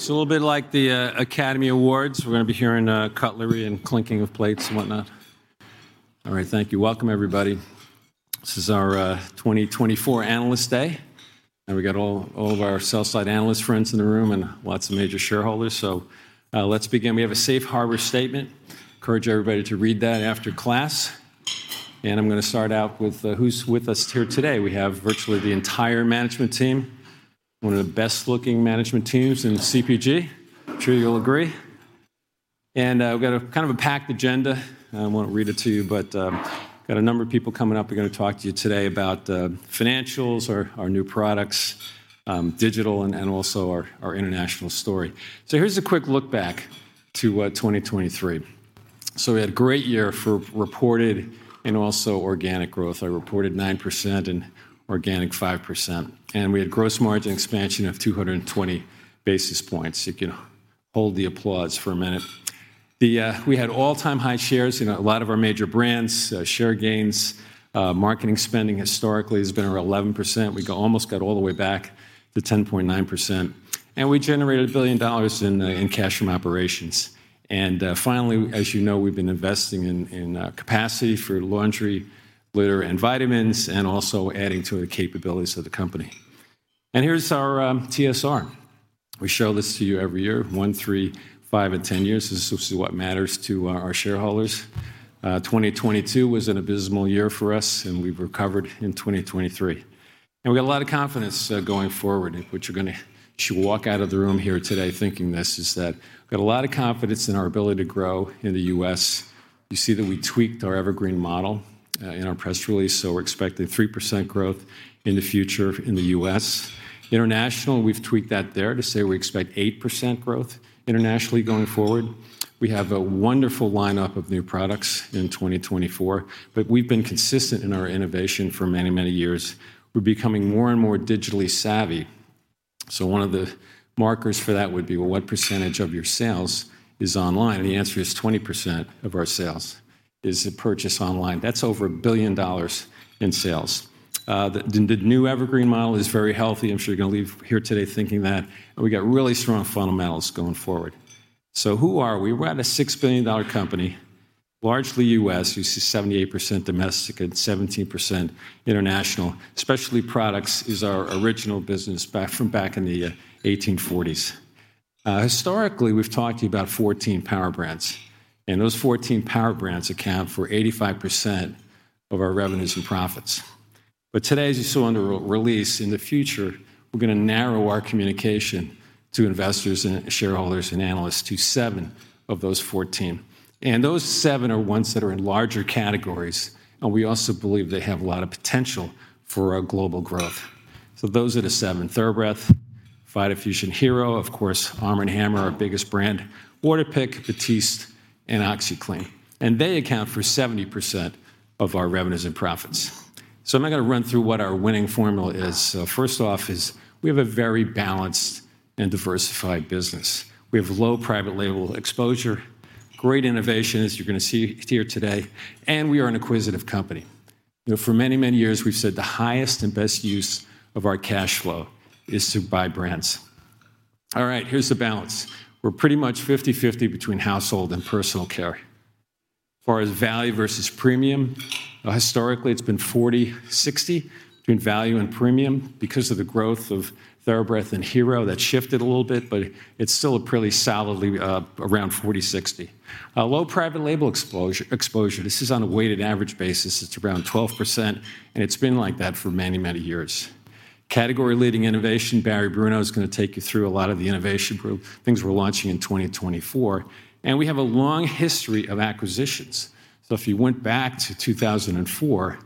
It's a little bit like the Academy Awards. We're gonna be hearing cutlery and clinking of plates and whatnot. All right, thank you. Welcome, everybody. This is our 2024 Analyst Day, and we got all of our sell-side analyst friends in the room and lots of major shareholders. So, let's begin. We have a safe harbor statement. Encourage everybody to read that after class, and I'm gonna start out with who's with us here today. We have virtually the entire management team, one of the best-looking management teams in CPG. I'm sure you'll agree. And we've got a kind of a packed agenda. I won't read it to you, but got a number of people coming up, who are gonna talk to you today about financials, our new products, digital, and also our international story. So here's a quick look back to 2023. So we had a great year for reported and also organic growth. I reported 9% and organic 5%, and we had gross margin expansion of 220 basis points. You can hold the applause for a minute. We had all-time high shares in a lot of our major brands, share gains. Marketing spending historically has been around 11%. We almost got all the way back to 10.9%, and we generated $1 billion in cash from operations. Finally, as you know, we've been investing in capacity for laundry, litter, and vitamins, and also adding to the capabilities of the company. And here's our TSR. We show this to you every year, one, three, five, and 10 years. This is mostly what matters to our shareholders. 2022 was an abysmal year for us, and we've recovered in 2023. We got a lot of confidence going forward, which you should walk out of the room here today thinking this, is that we've got a lot of confidence in our ability to grow in the U.S. You see that we tweaked our Evergreen Model in our press release, so we're expecting 3% growth in the future in the U.S. International, we've tweaked that there to say we expect 8% growth internationally going forward. We have a wonderful lineup of new products in 2024, but we've been consistent in our innovation for many, many years. We're becoming more and more digitally savvy, so one of the markers for that would be, well, what percentage of your sales is online? The answer is 20% of our sales is purchased online. That's over $1 billion in sales. The new Evergreen Model is very healthy. I'm sure you're gonna leave here today thinking that, and we got really strong fundamentals going forward. Who are we? We're a $6 billion company, largely U.S. You see 78% Domestic and 17% International. Specialty Products is our original business back in the 1840s. Historically, we've talked to you about 14 Power Brands, and those 14 Power Brands account for 85% of our revenues and profits. But today, as you saw in the release, in the future, we're gonna narrow our communication to investors and shareholders and analysts to seven of those 14. Those seven are ones that are in larger categories, and we also believe they have a lot of potential for our global growth. So those are the seven: TheraBreath, Vitafusion, Hero, of course, ARM & HAMMER, our biggest brand, Waterpik, Batiste, and OxiClean, and they account for 70% of our revenues and profits. So I'm now gonna run through what our winning formula is. First off, we have a very balanced and diversified business. We have low private label exposure, great innovation, as you're gonna see here today, and we are an acquisitive company. You know, for many, many years, we've said the highest and best use of our cash flow is to buy brands. All right, here's the balance. We're pretty much 50/50 between household and personal care. Far as value versus premium, historically, it's been 40/60 between value and premium. Because of the growth of TheraBreath and Hero, that shifted a little bit, but it's still pretty solidly around 40/60. Low private label exposure, this is on a weighted average basis, it's around 12%, and it's been like that for many, many years. Category-leading innovation, Barry Bruno is gonna take you through a lot of the innovation group, things we're launching in 2024, and we have a long history of acquisitions. So, if you went back to 2004,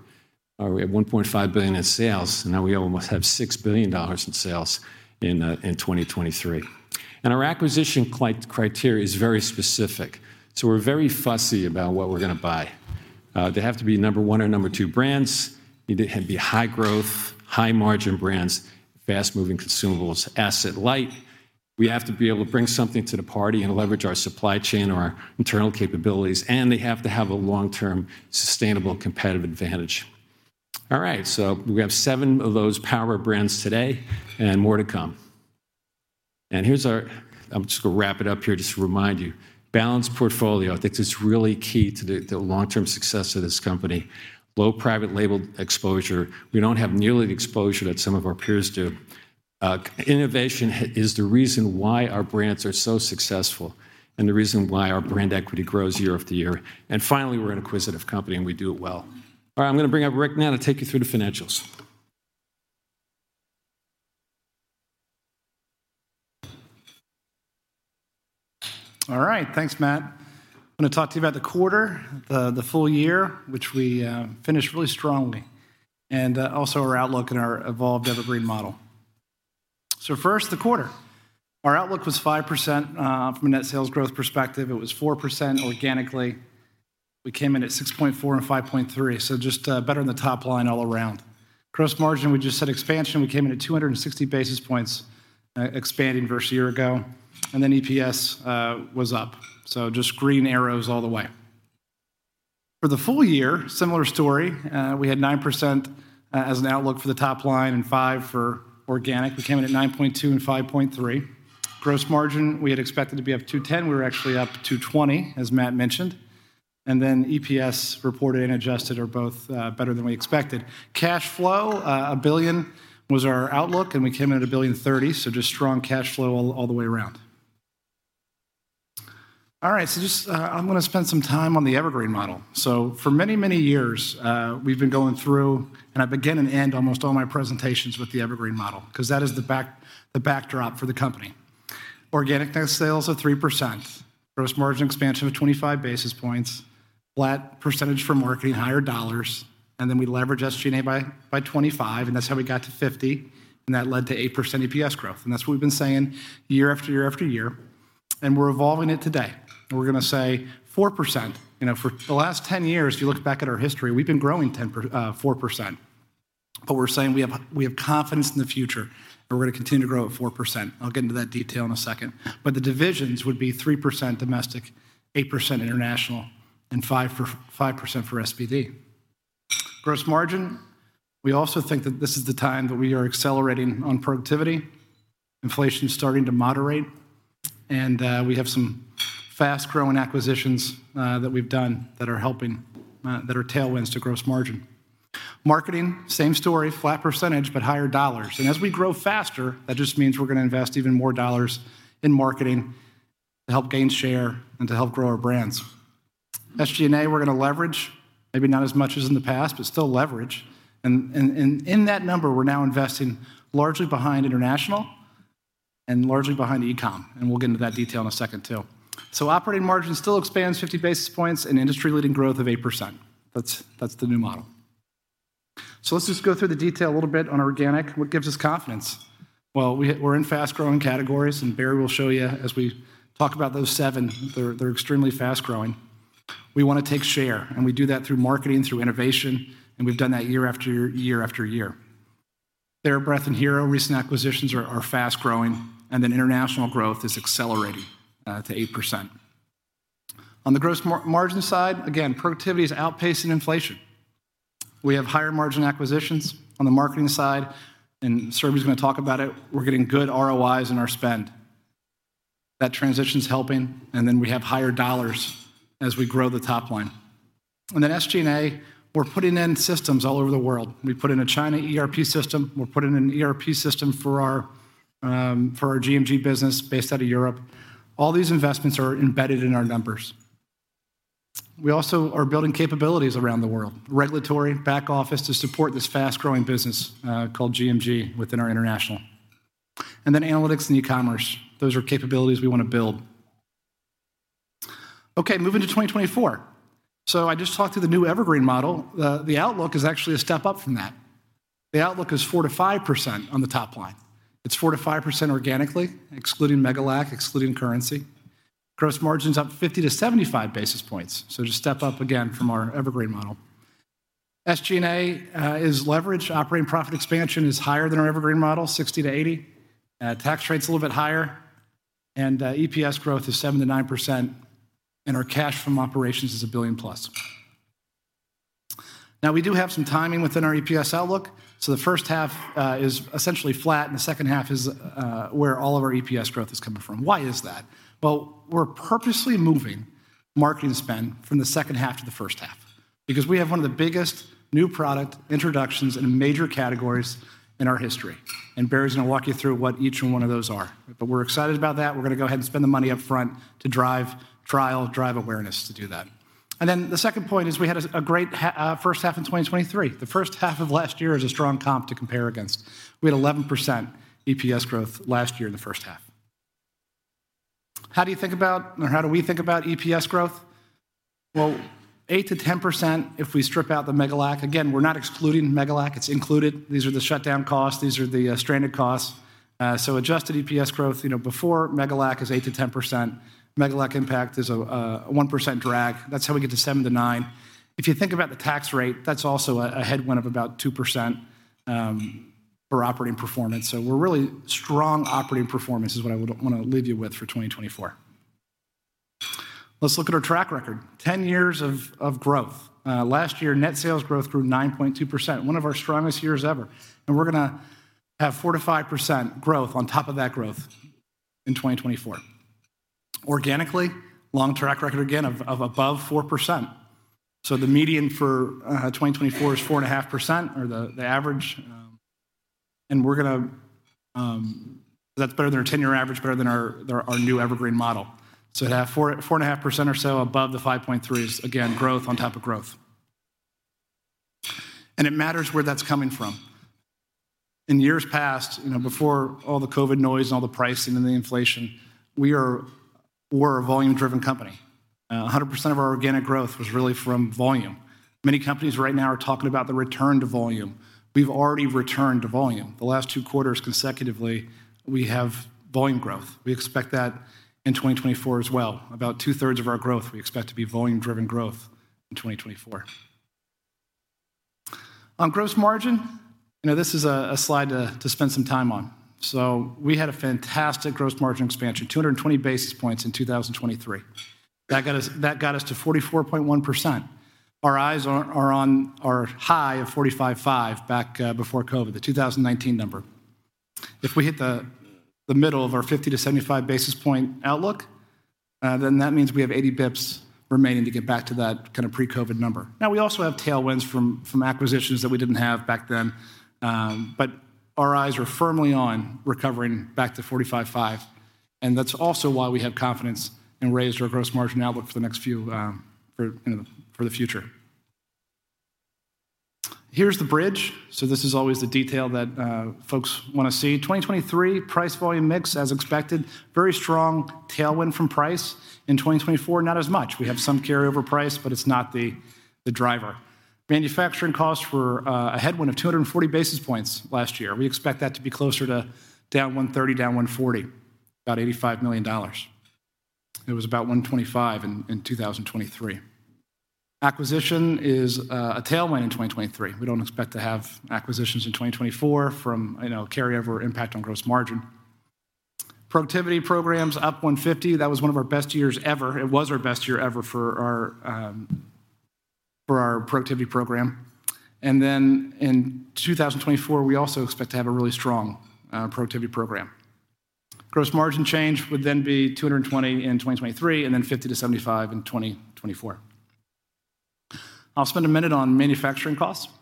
we had $1.5 billion in sales, and now we almost have $6 billion in sales in 2023. Our acquisition criteria is very specific, so we're very fussy about what we're gonna buy. They have to be number one or number two brands. They have to be high growth, high margin brands, fast-moving consumables, asset light. We have to be able to bring something to the party and leverage our supply chain or our internal capabilities, and they have to have a long-term, sustainable competitive advantage. All right, so we have seven of those Power Brands today and more to come. And here's our. I'm just gonna wrap it up here, just to remind you. Balanced portfolio, I think, this is really key to the long-term success of this company. Low private label exposure, we don't have nearly the exposure that some of our peers do. Innovation is the reason why our brands are so successful and the reason why our brand equity grows year-after-year. And finally, we're an innovative company, and we do it well. All right, I'm gonna bring up Rick now to take you through the financials. All right, thanks, Matt. I'm gonna talk to you about the quarter, the full year, which we finished really strongly, and also our outlook and our evolved Evergreen Model. So first, the quarter. Our outlook was 5% from a net sales growth perspective. It was 4% organically. We came in at 6.4 and 5.3, so just better than the top line all around. Gross margin, we just said expansion. We came in at 260 basis points expanding versus a year ago, and then EPS was up, so just green arrows all the way. For the full year, similar story, we had 9% as an outlook for the top line, and 5.0 for organic. We came in at 9.2 and 5.3. Gross margin, we had expected to be up 210, we were actually up 220, as Matt mentioned. Then EPS reported and adjusted are both better than we expected. Cash flow, $1 billion was our outlook, and we came in at $1.03 billion, so just strong cash flow all the way around. All right, so just, I'm gonna spend some time on the Evergreen Model. For many years, we've been going through, and I begin and end almost all my presentations with the Evergreen Model, cause that is the backdrop for the company. Organic net sales are 3%, gross margin expansion of 25 basis points, flat percentage for marketing, higher dollars, and then we leverage SG&A by 25, and that's how we got to 50, and that led to 8% EPS growth. That's what we've been saying year-after-year, and we're evolving it today, and we're gonna say 4%. You know, for the last 10 years, if you look back at our history, we've been growing 4%. We're saying we have confidence in the future, and we're gonna continue to grow at 4%. I'll get into that detail in a second. The divisions would be 3% Domestic, 8% International, and 5% for SPD. Gross margin, we also think that this is the time that we are accelerating on productivity. Inflation is starting to moderate, and we have some fast-growing acquisitions that we've done that are helping, that are tailwinds to gross margin. Marketing, same story, flat percentage, but higher dollars. As we grow faster, that just means we're gonna invest even more dollars in marketing to help gain share and to help grow our brands. SG&A, we're gonna leverage, maybe not as much as in the past, but still leverage, and, and, and in that number, we're now investing largely behind international and largely behind e-com, and we'll get into that detail in a second, too. Operating margin still expands 50 basis points, and industry-leading growth of 8%. That's, that's the new model. Let's just go through the detail a little bit on organic. What gives us confidence? Well, we're in fast-growing categories, and Barry will show you as we talk about those seven. They're, they're extremely fast-growing. We wanna take share, and we do that through marketing, through innovation, and we've done that year-after-year. TheraBreath and Hero, recent acquisitions, are, are fast-growing, and then international growth is accelerating to 8%. On the gross margin side, again, productivity is outpacing inflation. We have higher-margin acquisitions on the marketing side, and Surabhi's gonna talk about it. We're getting good ROIs in our spend. That transition's helping, and then we have higher dollars as we grow the top line. And then SG&A, we're putting in systems all over the world. We put in a China ERP system. We're putting in an ERP system for our for our GMG business based out of Europe. All these investments are embedded in our numbers. We also are building capabilities around the world, regulatory, back office, to support this fast-growing business called GMG within our international. And then analytics and e-commerce, those are capabilities we want to build. Okay, moving to 2024. So I just talked through the new Evergreen Model. The outlook is actually a step up from that. The outlook is 4%-5% on the top line. It's 4%-5% organically, excluding Megalac, excluding currency. Gross margin's up 50-75 basis points, so just step up again from our Evergreen Model. SG&A is leveraged. Operating profit expansion is higher than our Evergreen Model, 60-80. Tax rate's a little bit higher, and EPS growth is 7%-9%, and our cash from operations is $1 billion plus. Now, we do have some timing within our EPS outlook, so the first half is essentially flat, and the second half is where all of our EPS growth is coming from. Why is that? Well, we're purposely moving marketing spend from the second half to the first half because we have one of the biggest new product introductions in major categories in our history, and Barry's gonna walk you through what each and one of those are. But we're excited about that. We're gonna go ahead and spend the money up front to drive trial, drive awareness to do that. And then the second point is, we had a great first half in 2023. The first half of last year is a strong comp to compare against. We had 11% EPS growth last year in the first half. How do you think about, or how do we think about EPS growth? Well, 8%-10%, if we strip out the Megalac. Again, we're not excluding Megalac. It's included. These are the shutdown costs. These are the stranded costs. So adjusted EPS growth, you know, before Megalac is 8%-10%. Megalac impact is a 1% drag. That's how we get to 7%-9%. If you think about the tax rate, that's also a headwind of about 2% for operating performance. So we're really strong operating performance is what I would wanna leave you with for 2024. Let's look at our track record. 10 years of growth. Last year, net sales growth grew 9.2%, one of our strongest years ever, and we're gonna have 4%-5% growth on top of that growth in 2024. Organically, long track record, again, of above 4%. So the median for 2024 is 4.5%, or the average... We're gonna. That's better than our 10-year average, better than our new Evergreen Model. So at 4.4%-4.5% or so above the 5.3% is, again, growth on top of growth. It matters where that's coming from. In years past, you know, before all the COVID noise and all the pricing and the inflation, we're a volume-driven company. 100% of our organic growth was really from volume. Many companies right now are talking about the return to volume. We've already returned to volume. The last two quarters consecutively, we have volume growth. We expect that in 2024 as well. About two-thirds of our growth, we expect to be volume-driven growth in 2024. On gross margin, you know, this is a slide to spend some time on. So we had a fantastic gross margin expansion, 200 basis points in 2023. That got us, that got us to 44.1%. Our eyes are on our high of 45.5% back before COVID, the 2019 number. If we hit the middle of our 50-75 basis point outlook, then that means we have 80 basis points remaining to get back to that kind of pre-COVID number. Now, we also have tailwinds from acquisitions that we didn't have back then. But our eyes are firmly on recovering back to 45.5%, and that's also why we have confidence and raised our gross margin outlook for the next few, you know, for the future. Here's the bridge. So this is always the detail that folks want to see. 2023, price volume mix, as expected, very strong tailwind from price. In 2024, not as much. We have some carryover price, but it's not the driver. Manufacturing costs were a headwind of 240 basis points last year. We expect that to be closer to down 130-down 140, about $85 million. It was about $125 million in 2023. Acquisition is a tailwind in 2023. We don't expect to have acquisitions in 2024 from, you know, carryover impact on gross margin. Productivity programs up 150, that was one of our best years ever. It was our best year ever for our productivity program. And then in 2024, we also expect to have a really strong productivity program. Gross margin change would then be 220 in 2023, and then 50-75 in 2024. I'll spend a minute on manufacturing costs.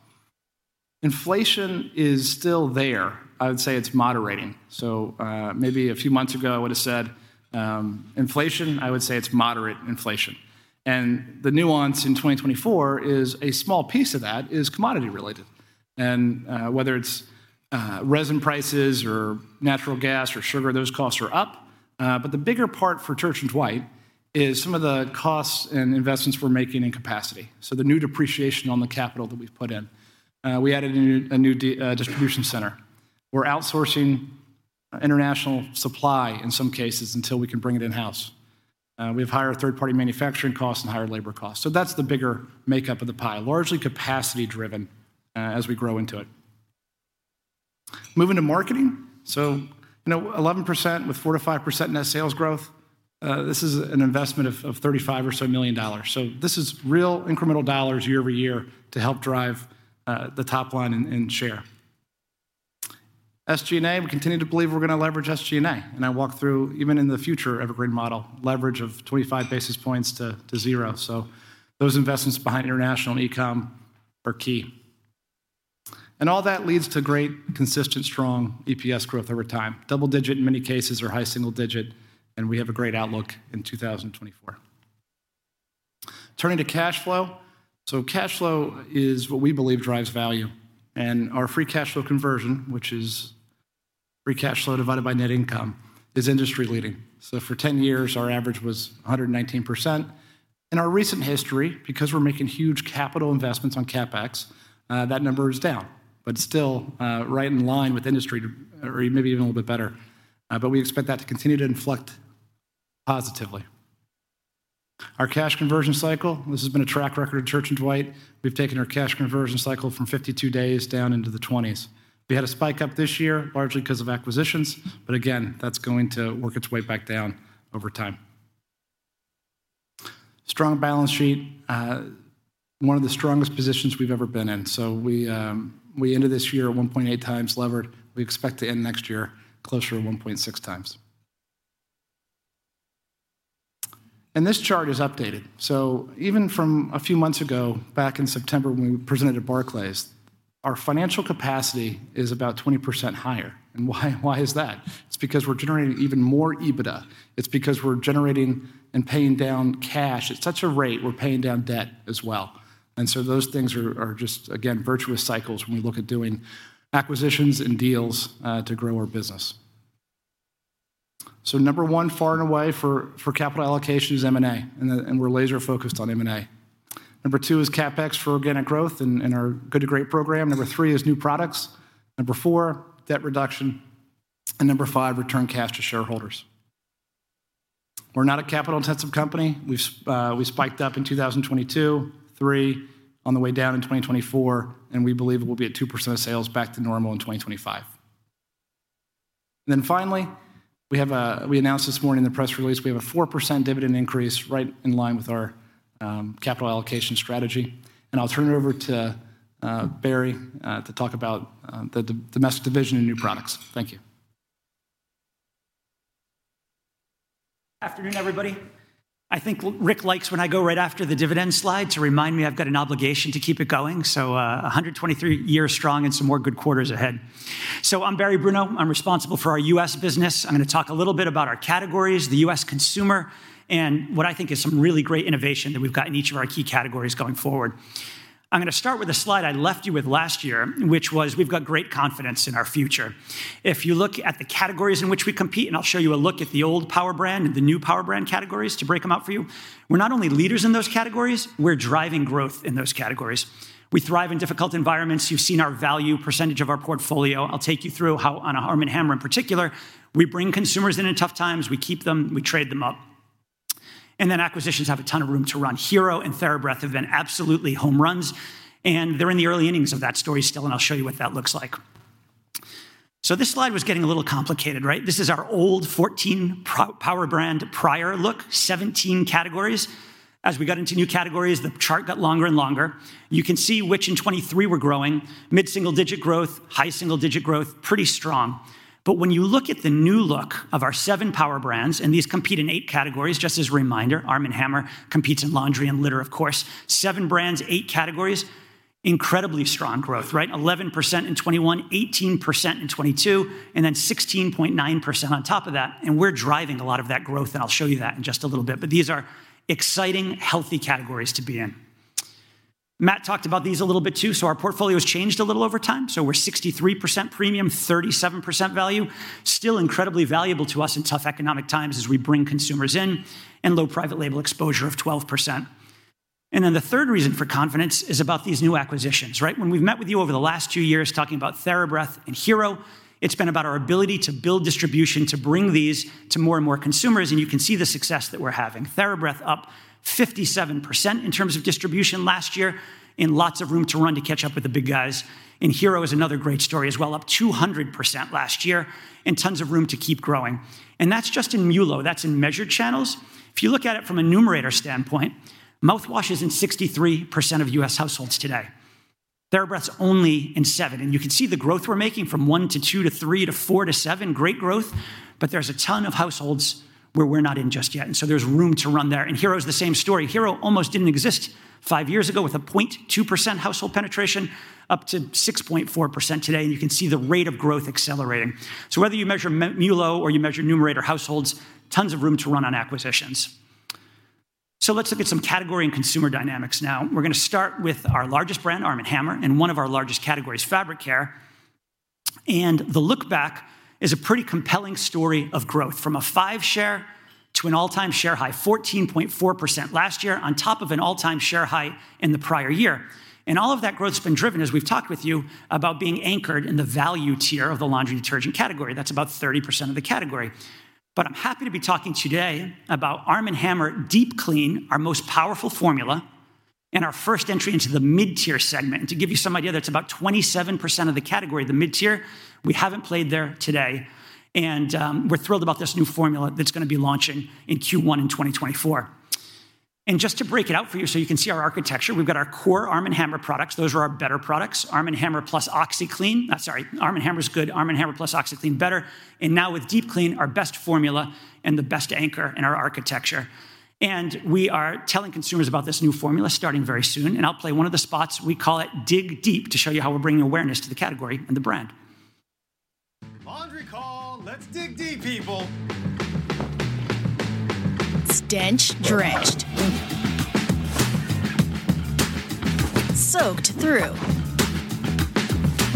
Inflation is still there. I would say it's moderating. So, maybe a few months ago, I would've said, inflation, I would say it's moderate inflation. And the nuance in 2024 is a small piece of that is commodity-related. And, whether it's, resin prices or natural gas or sugar, those costs are up. But the bigger part for Church & Dwight is some of the costs and investments we're making in capacity, so the new depreciation on the capital that we've put in. We added a new distribution center. We're outsourcing international supply in some cases until we can bring it in-house. We have higher third-party manufacturing costs and higher labor costs. So that's the bigger makeup of the pie, largely capacity-driven, as we grow into it. Moving to marketing, so, you know, 11% with 4%-5% net sales growth, this is an investment of $35 million or so. So this is real incremental dollars year-over-year to help drive the top line and share. SG&A, we continue to believe we're going to leverage SG&A, and I walk through, even in the future, Evergreen Model, leverage of 25 basis points to zero. So those investments behind international and e-com are key. And all that leads to great, consistent, strong EPS growth over time. Double-digit, in many cases, or high single-digit, and we have a great outlook in 2024. Turning to cash flow. Cash flow is what we believe drives value, and our free cash flow conversion, which is free cash flow divided by net income, is industry-leading. For 10 years, our average was 119%. In our recent history, because we're making huge capital investments on CapEx, that number is down, but still, right in line with industry or maybe even a little bit better. But we expect that to continue to inflect positively. Our cash conversion cycle, this has been a track record at Church & Dwight. We've taken our cash conversion cycle from 52 days down into the 20s. We had a spike up this year, largely cause of acquisitions, but again, that's going to work its way back down over time. Strong balance sheet, one of the strongest positions we've ever been in. So we, we ended this year at 1.8x levered. We expect to end next year closer to 1.6 times. And this chart is updated. So even from a few months ago, back in September, when we presented at Barclays, our financial capacity is about 20% higher. And why, why is that? It's because we're generating even more EBITDA. It's because we're generating and paying down cash at such a rate, we're paying down debt as well. And so those things are just, again, virtuous cycles when we look at doing acquisitions and deals to grow our business. So number one, far and away, for capital allocation is M&A, and we're laser-focused on M&A. Number two is CapEx for organic growth and our Good to Great program. Number three is new products. Number four, debt reduction. And number five, return cash to shareholders. We're not a capital-intensive company. We've spiked up in 2022, 3% on the way down in 2024, and we believe it will be at 2% of sales back to normal in 2025. And then finally, we announced this morning in the press release, we have a 4% dividend increase right in line with our capital allocation strategy. And I'll turn it over to Barry to talk about the Domestic division and new products. Thank you. Afternoon, everybody. I think Rick likes when I go right after the dividend slide to remind me I've got an obligation to keep it going, so, 123 years strong and some more good quarters ahead. So I'm Barry Bruno. I'm responsible for our U.S. business. I'm gonna talk a little bit about our categories, the U.S. consumer, and what I think is some really great innovation that we've got in each of our key categories going forward. I'm gonna start with a slide I left you with last year, which was, we've got great confidence in our future. If you look at the categories in which we compete, and I'll show you a look at the old Power Brand and the new Power Brand categories to break them out for you, we're not only leaders in those categories, we're driving growth in those categories. We thrive in difficult environments. You've seen our value percentage of our portfolio. I'll take you through how on ARM & HAMMER, in particular, we bring consumers in in tough times, we keep them, we trade them up... and then acquisitions have a ton of room to run. Hero and TheraBreath have been absolutely home runs, and they're in the early innings of that story still, and I'll show you what that looks like. So this slide was getting a little complicated, right? This is our old 14 Power Brand portfolio look, 17 categories. As we got into new categories, the chart got longer and longer. You can see which in 2023 were growing. Mid-single-digit growth, high single-digit growth, pretty strong. When you look at the new look of our seven Power Brands, and these compete in 8 categories, just as a reminder, ARM & HAMMER competes in laundry and litter, of course. Seven brands, eight categories, incredibly strong growth, right? 11% in 2021, 18% in 2022, and then 16.9% on top of that, and we're driving a lot of that growth, and I'll show you that in just a little bit. These are exciting, healthy categories to be in. Matt talked about these a little bit, too, so our portfolio's changed a little over time. We're 63% premium, 37% value, still incredibly valuable to us in tough economic times as we bring consumers in, and low private label exposure of 12%. Then the third reason for confidence is about these new acquisitions, right? When we've met with you over the last two years, talking about TheraBreath and Hero, it's been about our ability to build distribution, to bring these to more and more consumers, and you can see the success that we're having. TheraBreath up 57% in terms of distribution last year, and lots of room to run to catch up with the big guys. And Hero is another great story as well, up 200% last year, and tons of room to keep growing. And that's just in MULO, that's in measured channels. If you look at it from a Numerator standpoint, mouthwash is in 63% of U.S. households today. TheraBreath's only in seven, and you can see the growth we're making from one to two, to three, to four, to seven. Great growth, but there's a ton of households where we're not in just yet, and so there's room to run there. Hero's the same story. Hero almost didn't exist five years ago, with 0.2% household penetration, up to 6.4% today, and you can see the rate of growth accelerating. So, whether you measure MULO or you measure Numerator households, tons of room to run on acquisitions. So, let's look at some category and consumer dynamics now. We're gonna start with our largest brand, ARM & HAMMER, and one of our largest categories, fabric care. The look back is a pretty compelling story of growth, from a 5 share to an all-time share high, 14.4% last year, on top of an all-time share high in the prior year. All of that growth's been driven, as we've talked with you, about being anchored in the value tier of the laundry detergent category. That's about 30% of the category. I'm happy to be talking today about ARM & HAMMER Deep Clean, our most powerful formula, and our first entry into the mid-tier segment. To give you some idea, that's about 27% of the category, the mid-tier. We haven't played there today, and we're thrilled about this new formula that's gonna be launching in Q1 in 2024. Just to break it out for you so you can see our architecture, we've got our core ARM & HAMMER products. Those are our better products, ARM & HAMMER plus OxiClean. ARM & HAMMER's good, ARM & HAMMER plus OxiClean, better, and now with Deep Clean, our best formula and the best anchor in our architecture. We are telling consumers about this new formula starting very soon, and I'll play one of the spots. We call it Dig Deep, to show you how we're bringing awareness to the category and the brand. Laundry call! Let's dig deep, people. Stench drenched. Soaked through.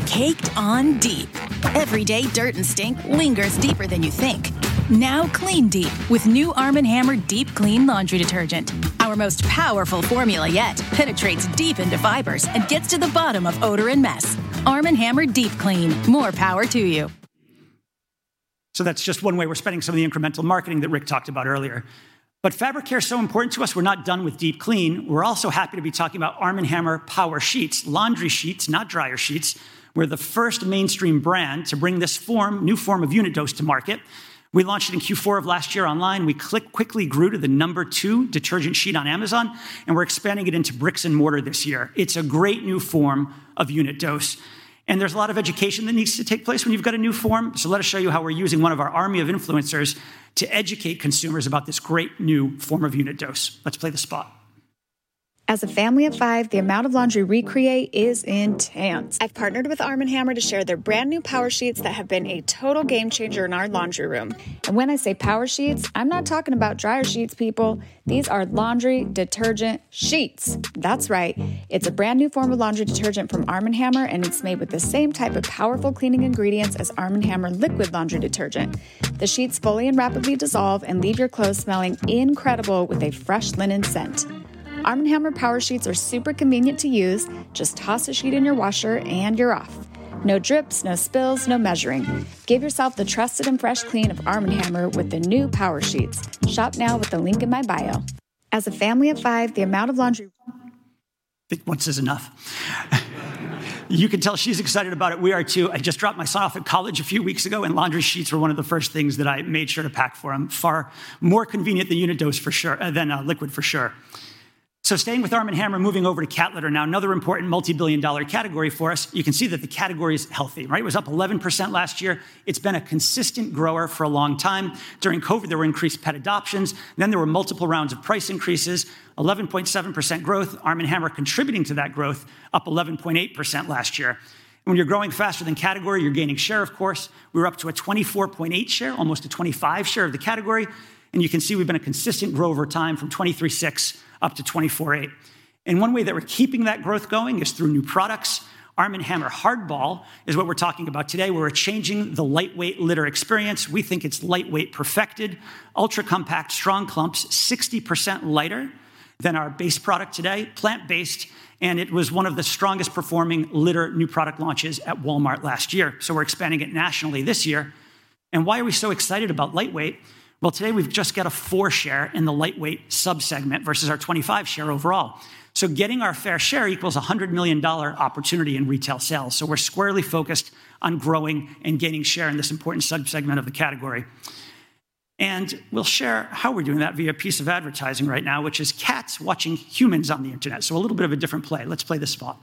Caked on deep. Everyday dirt and stink lingers deeper than you think. Now clean deep with new ARM & HAMMER Deep Clean Laundry Detergent. Our most powerful formula yet penetrates deep into fibers and gets to the bottom of odor and mess. ARM & HAMMER Deep Clean, more power to you. So that's just one way we're spending some of the incremental marketing that Rick talked about earlier. But fabric care is so important to us, we're not done with Deep Clean. We're also happy to be talking about ARM & HAMMER Power Sheets, laundry sheets, not dryer sheets. We're the first mainstream brand to bring this form, new form of unit dose to market. We launched it in Q4 of last year online. We quickly grew to the number two detergent sheet on Amazon, and we're expanding it into brick and mortar this year. It's a great new form of unit dose, and there's a lot of education that needs to take place when you've got a new form. So let us show you how we're using one of our army of influencers to educate consumers about this great new form of unit dose. Let's play the spot. As a family of five, the amount of laundry we create is intense. I've partnered with ARM & HAMMER to share their brand-new Power Sheets that have been a total game changer in our laundry room. When I say Power Sheets, I'm not talking about dryer sheets, people. These are laundry detergent sheets. That's right. It's a brand-new form of laundry detergent from ARM & HAMMER, and it's made with the same type of powerful cleaning ingredients as ARM & HAMMER Liquid Laundry Detergent. The sheets fully and rapidly dissolve and leave your clothes smelling incredible with a fresh linen scent. ARM & HAMMER Power Sheets are super convenient to use. Just toss a sheet in your washer, and you're off. No drips, no spills, no measuring. Give yourself the trusted and fresh clean of ARM & HAMMER with the new Power Sheets. Shop now with the link in my bio. As a family of five, the amount of laundry- I think once is enough. You can tell she's excited about it. We are, too. I just dropped my son off at college a few weeks ago, and laundry sheets were one of the first things that I made sure to pack for him. Far more convenient than unit dose, for sure, than a liquid, for sure. So staying with ARM & HAMMER, moving over to cat litter now, another important multibillion-dollar category for us. You can see that the category is healthy, right? It was up 11% last year. It's been a consistent grower for a long time. During COVID, there were increased pet adoptions, then there were multiple rounds of price increases, 11.7% growth. ARM & HAMMER contributing to that growth, up 11.8% last year. When you're growing faster than category, you're gaining share, of course. We're up to a 24.8 share, almost a 25 share of the category, and you can see we've been a consistent grow over time, from 23.6 up to 24.8. One way that we're keeping that growth going is through new products. ARM & HAMMER Hardball is what we're talking about today, where we're changing the lightweight litter experience. We think it's lightweight perfected, ultra-compact, strong clumps, 60% lighter than our base product today, plant-based, and it was one of the strongest performing litter new product launches at Walmart last year, so we're expanding it nationally this year. Why are we so excited about lightweight? Well, today we've just got a 4 share in the lightweight sub-segment versus our 25 share overall. Getting our fair share equals $100 million opportunity in retail sales, so we're squarely focused on growing and gaining share in this important sub-segment of the category. We'll share how we're doing that via a piece of advertising right now, which is cats watching humans on the internet, so a little bit of a different play. Let's play this spot.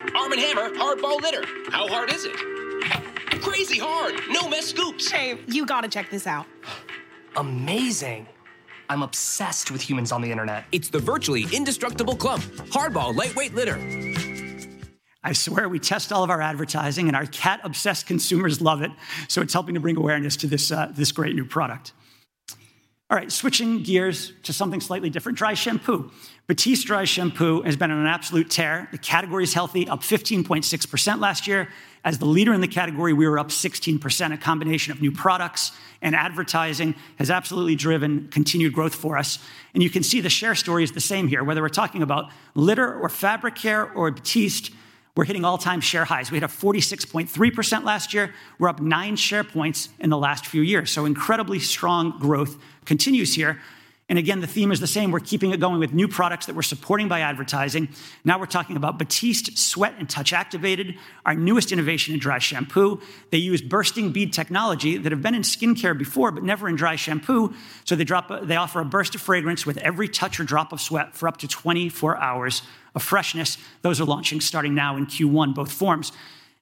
ARM & HAMMER Hardball Litter. How hard is it? Crazy hard! No mess scoops. Shane, you gotta check this out. Amazing. I'm obsessed with humans on the internet. It's the virtually indestructible clump, Hardball Lightweight Litter. I swear, we test all of our advertising, and our cat-obsessed consumers love it, so it's helping to bring awareness to this, this great new product. All right, switching gears to something slightly different, dry shampoo. Batiste Dry Shampoo has been on an absolute tear. The category is healthy, up 15.6% last year. As the leader in the category, we were up 16%. A combination of new products and advertising has absolutely driven continued growth for us, and you can see the share story is the same here, whether we're talking about litter or Fabric Care or Batiste, we're hitting all-time share highs. We had a 46.3% last year. We're up 9 share points in the last few years, so incredibly strong growth continues here, and again, the theme is the same. We're keeping it going with new products that we're supporting by advertising. Now we're talking about Batiste Sweat and Touch Activated, our newest innovation in dry shampoo. They use bursting bead technology that have been in skincare before, but never in dry shampoo, so they offer a burst of fragrance with every touch or drop of sweat for up to 24 hours of freshness. Those are launching, starting now in Q1, both forms,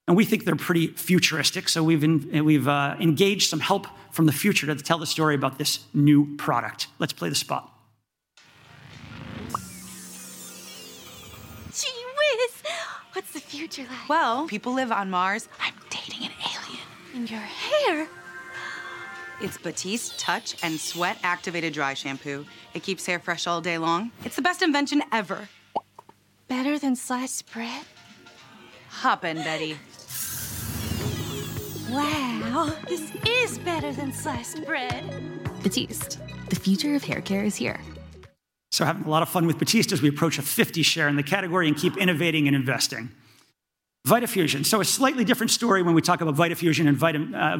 and we think they're pretty futuristic, so we've engaged some help from the future to tell the story about this new product. Let's play the spot. Gee whiz! What's the future like? Well, people live on Mars. I'm dating an alien. And your hair, it's Batiste Touch and Sweat Activated Dry Shampoo. It keeps hair fresh all day long. It's the best invention ever. Better than sliced bread? Hop in, Betty. Wow, this is better than sliced bread! Batiste, the future of hair care is here. Having a lot of fun with Batiste as we approach a 50% share in the category and keep innovating and investing. Vitafusion. So a slightly different story when we talk about Vitafusion and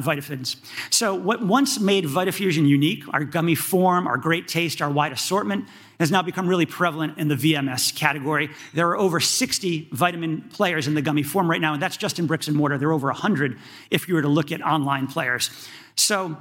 vitamins. So what once made Vitafusion unique, our gummy form, our great taste, our wide assortment, has now become really prevalent in the VMS category. There are over 60 vitamin players in the gummy form right now, and that's just in bricks and mortar. There are over 100 if you were to look at online players. So,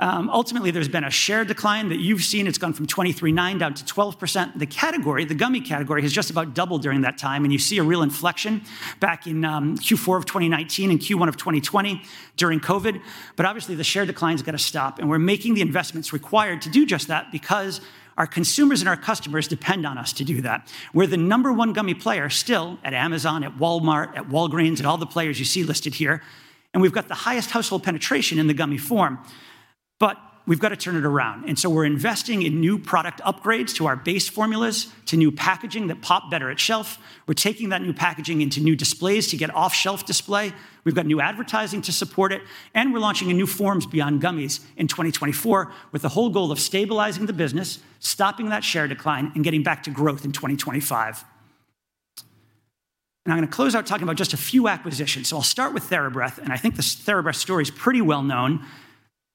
ultimately, there's been a shared decline that you've seen. It's gone from 23.9% down to 12%. The category, the gummy category, has just about doubled during that time, and you see a real inflection back in Q4 of 2019 and Q1 of 2020 during COVID. But obviously, the share decline's gotta stop, and we're making the investments required to do just that because our consumers and our customers depend on us to do that. We're the number one gummy player still at Amazon, at Walmart, at Walgreens, and all the players you see listed here, and we've got the highest household penetration in the gummy form, but we've got to turn it around, and so we're investing in new product upgrades to our base formulas, to new packaging that pop better at shelf. We're taking that new packaging into new displays to get off-shelf display. We've got new advertising to support it, and we're launching in new forms beyond gummies in 2024, with the whole goal of stabilizing the business, stopping that share decline, and getting back to growth in 2025. Now, I'm gonna close out talking about just a few acquisitions. So I'll start with TheraBreath, and I think the TheraBreath story is pretty well known.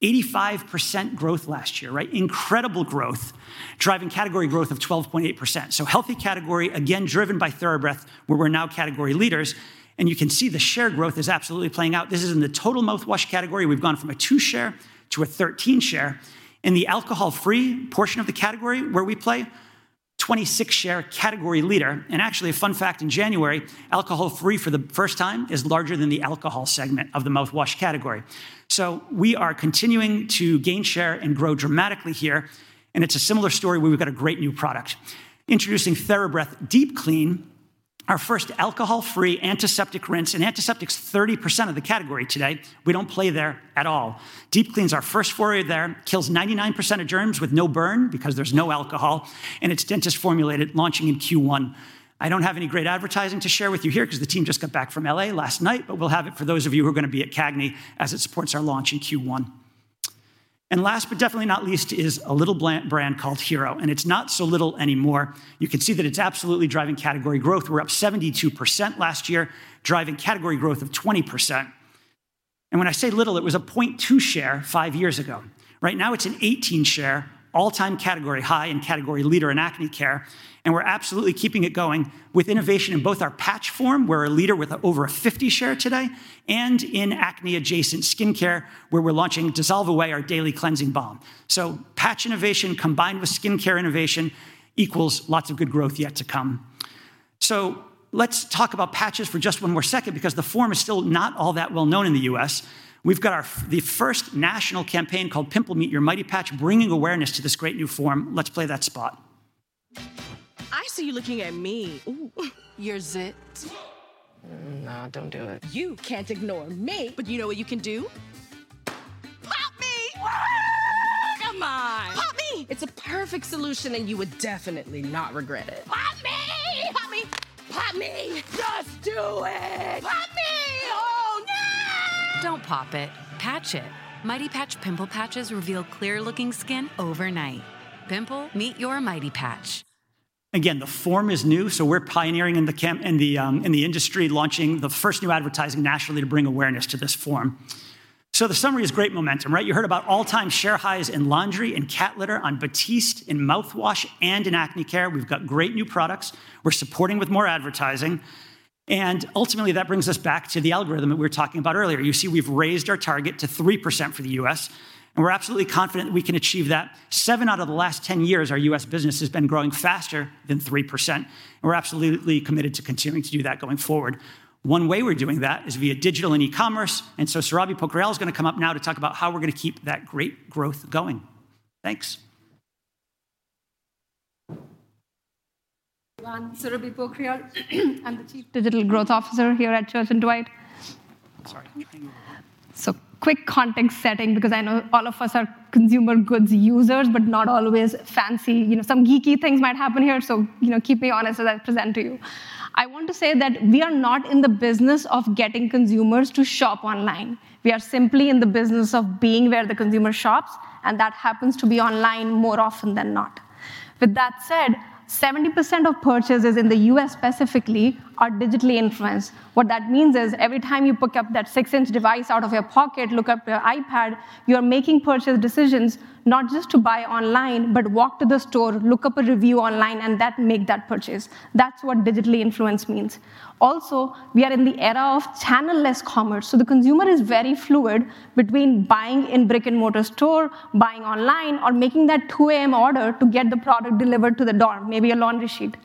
85% growth last year, right? Incredible growth, driving category growth of 12.8%. So healthy category, again, driven by TheraBreath, where we're now category leaders, and you can see the share growth is absolutely playing out. This is in the total mouthwash category. We've gone from a 2% share to a 13% share. In the alcohol-free portion of the category, where we play, 26% share, category leader, and actually, a fun fact, in January, alcohol-free, for the first time, is larger than the alcohol segment of the mouthwash category. So we are continuing to gain share and grow dramatically here, and it's a similar story where we've got a great new product. Introducing TheraBreath Deep Clean, our first alcohol-free antiseptic rinse, and antiseptic's 30% of the category today. We don't play there at all. Deep Clean's our first foray there. Kills 99% of germs with no burn because there's no alcohol, and it's dentist-formulated, launching in Q1. I don't have any great advertising to share with you here cause the team just got back from L.A. last night, but we'll have it for those of you who are gonna be at CAGNY, as it supports our launch in Q1. And last, but definitely not least, is a little brand called Hero, and it's not so little anymore. You can see that it's absolutely driving category growth. We're up 72% last year, driving category growth of 20%, and when I say little, it was a 0.2 share five years ago. Right now, it's an 18% share, all-time category high and category leader in acne care, and we're absolutely keeping it going with innovation in both our patch form, we're a leader with over a 50% share today, and in acne-adjacent skincare, where we're launching Dissolve Away, our daily cleansing balm. So patch innovation combined with skincare innovation equals lots of good growth yet to come. So let's talk about patches for just one more second because the form is still not all that well known in the U.S. We've got our the first national campaign called Pimple, Meet Your Mighty Patch, bringing awareness to this great new form. Let's play that spot. I see you looking at me. Ooh. Your zit? Mm, no, don't do it. You can't ignore me, but you know what you can do? Pop me! Ah! Come on. Pop me. It's a perfect solution, and you would definitely not regret it. Pop me! Pop me. Pop me. Just do it. Pop me. Don't pop it, patch it. Mighty Patch pimple patches reveal clear-looking skin overnight. Pimple, meet your Mighty Patch. Again, the form is new, so we're pioneering in the industry, launching the first new advertising nationally to bring awareness to this form. So the summary is great momentum, right? You heard about all-time share highs in laundry and cat litter, on Batiste, in mouthwash, and in acne care. We've got great new products. We're supporting with more advertising, and ultimately, that brings us back to the algorithm that we were talking about earlier. You see, we've raised our target to 3% for the U.S., and we're absolutely confident we can achieve that. Seven out of the last 10 years, our U.S. business has been growing faster than 3%, and we're absolutely committed to continuing to do that going forward. One way we're doing that is via digital and e-commerce, and so Surabhi Pokhriyal is gonna come up now to talk about how we're gonna keep that great growth going. Thanks. I'm Surabhi Pokhriyal. I'm the Chief Digital Growth Officer here at Church & Dwight. Sorry. So quick context setting, because I know all of us are consumer goods users, but not always fancy. You know, some geeky things might happen here, so, you know, keep me honest as I present to you. I want to say that we are not in the business of getting consumers to shop online. We are simply in the business of being where the consumer shops, and that happens to be online more often than not. With that said, 70% of purchases in the U.S. specifically are digitally influenced. What that means is, every time you pick up that 6-inch device out of your pocket, look up your iPad, you are making purchase decisions not just to buy online, but walk to the store, look up a review online, and that make that purchase. That's what digitally influenced means. Also, we are in the era of channel-less commerce, so the consumer is very fluid between buying in brick-and-mortar store, buying online, or making that 2 A.M. order to get the product delivered to the door, maybe a laundry sheet.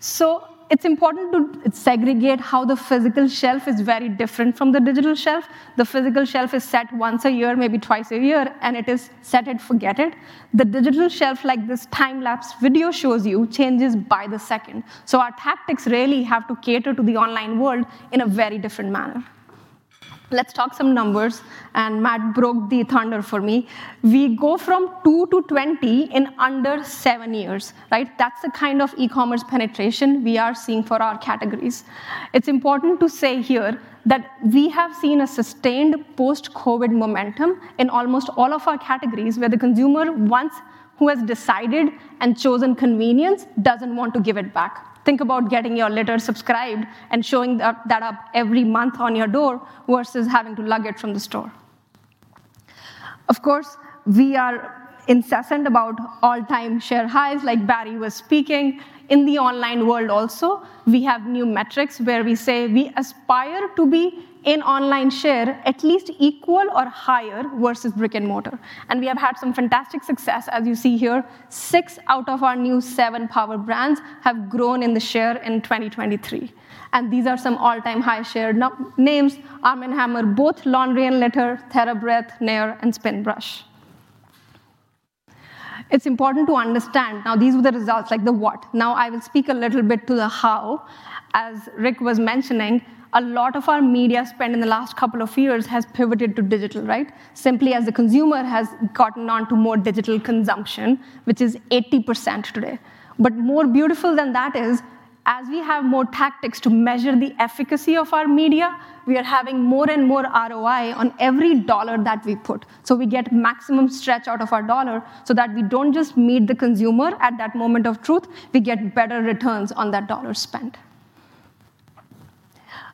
So it's important to segregate how the physical shelf is very different from the digital shelf. The physical shelf is set once a year, maybe twice a year, and it is set it, forget it. The digital shelf, like this time-lapse video shows you, changes by the second. So our tactics really have to cater to the online world in a very different manner. Let's talk some numbers, and Matt broke the thunder for me. We go from two to 20 in under seven years, right? That's the kind of e-commerce penetration we are seeing for our categories. It's important to say here that we have seen a sustained post-COVID momentum in almost all of our categories, where the consumer, once who has decided and chosen convenience, doesn't want to give it back. Think about getting your litter subscribed and showing up, that up every month on your door versus having to lug it from the store. Of course, we are incessant about all-time share highs, like Barry was speaking. In the online world also, we have new metrics where we say we aspire to be in online share, at least equal or higher versus brick-and-mortar. We have had some fantastic success, as you see here. six out of our new seven Power Brands have grown in the share in 2023, and these are some all-time high share names: ARM & HAMMER, both laundry and litter, TheraBreath, Nair, and Spinbrush. It's important to understand... Now, these were the results, like the what. Now, I will speak a little bit to the how. As Rick was mentioning, a lot of our media spend in the last couple of years has pivoted to digital, right? Simply as the consumer has gotten on to more digital consumption, which is 80% today. But more beautiful than that is, as we have more tactics to measure the efficacy of our media, we are having more and more ROI on every dollar that we put. So we get maximum stretch out of our dollar so that we don't just meet the consumer at that moment of truth, we get better returns on that dollar spent.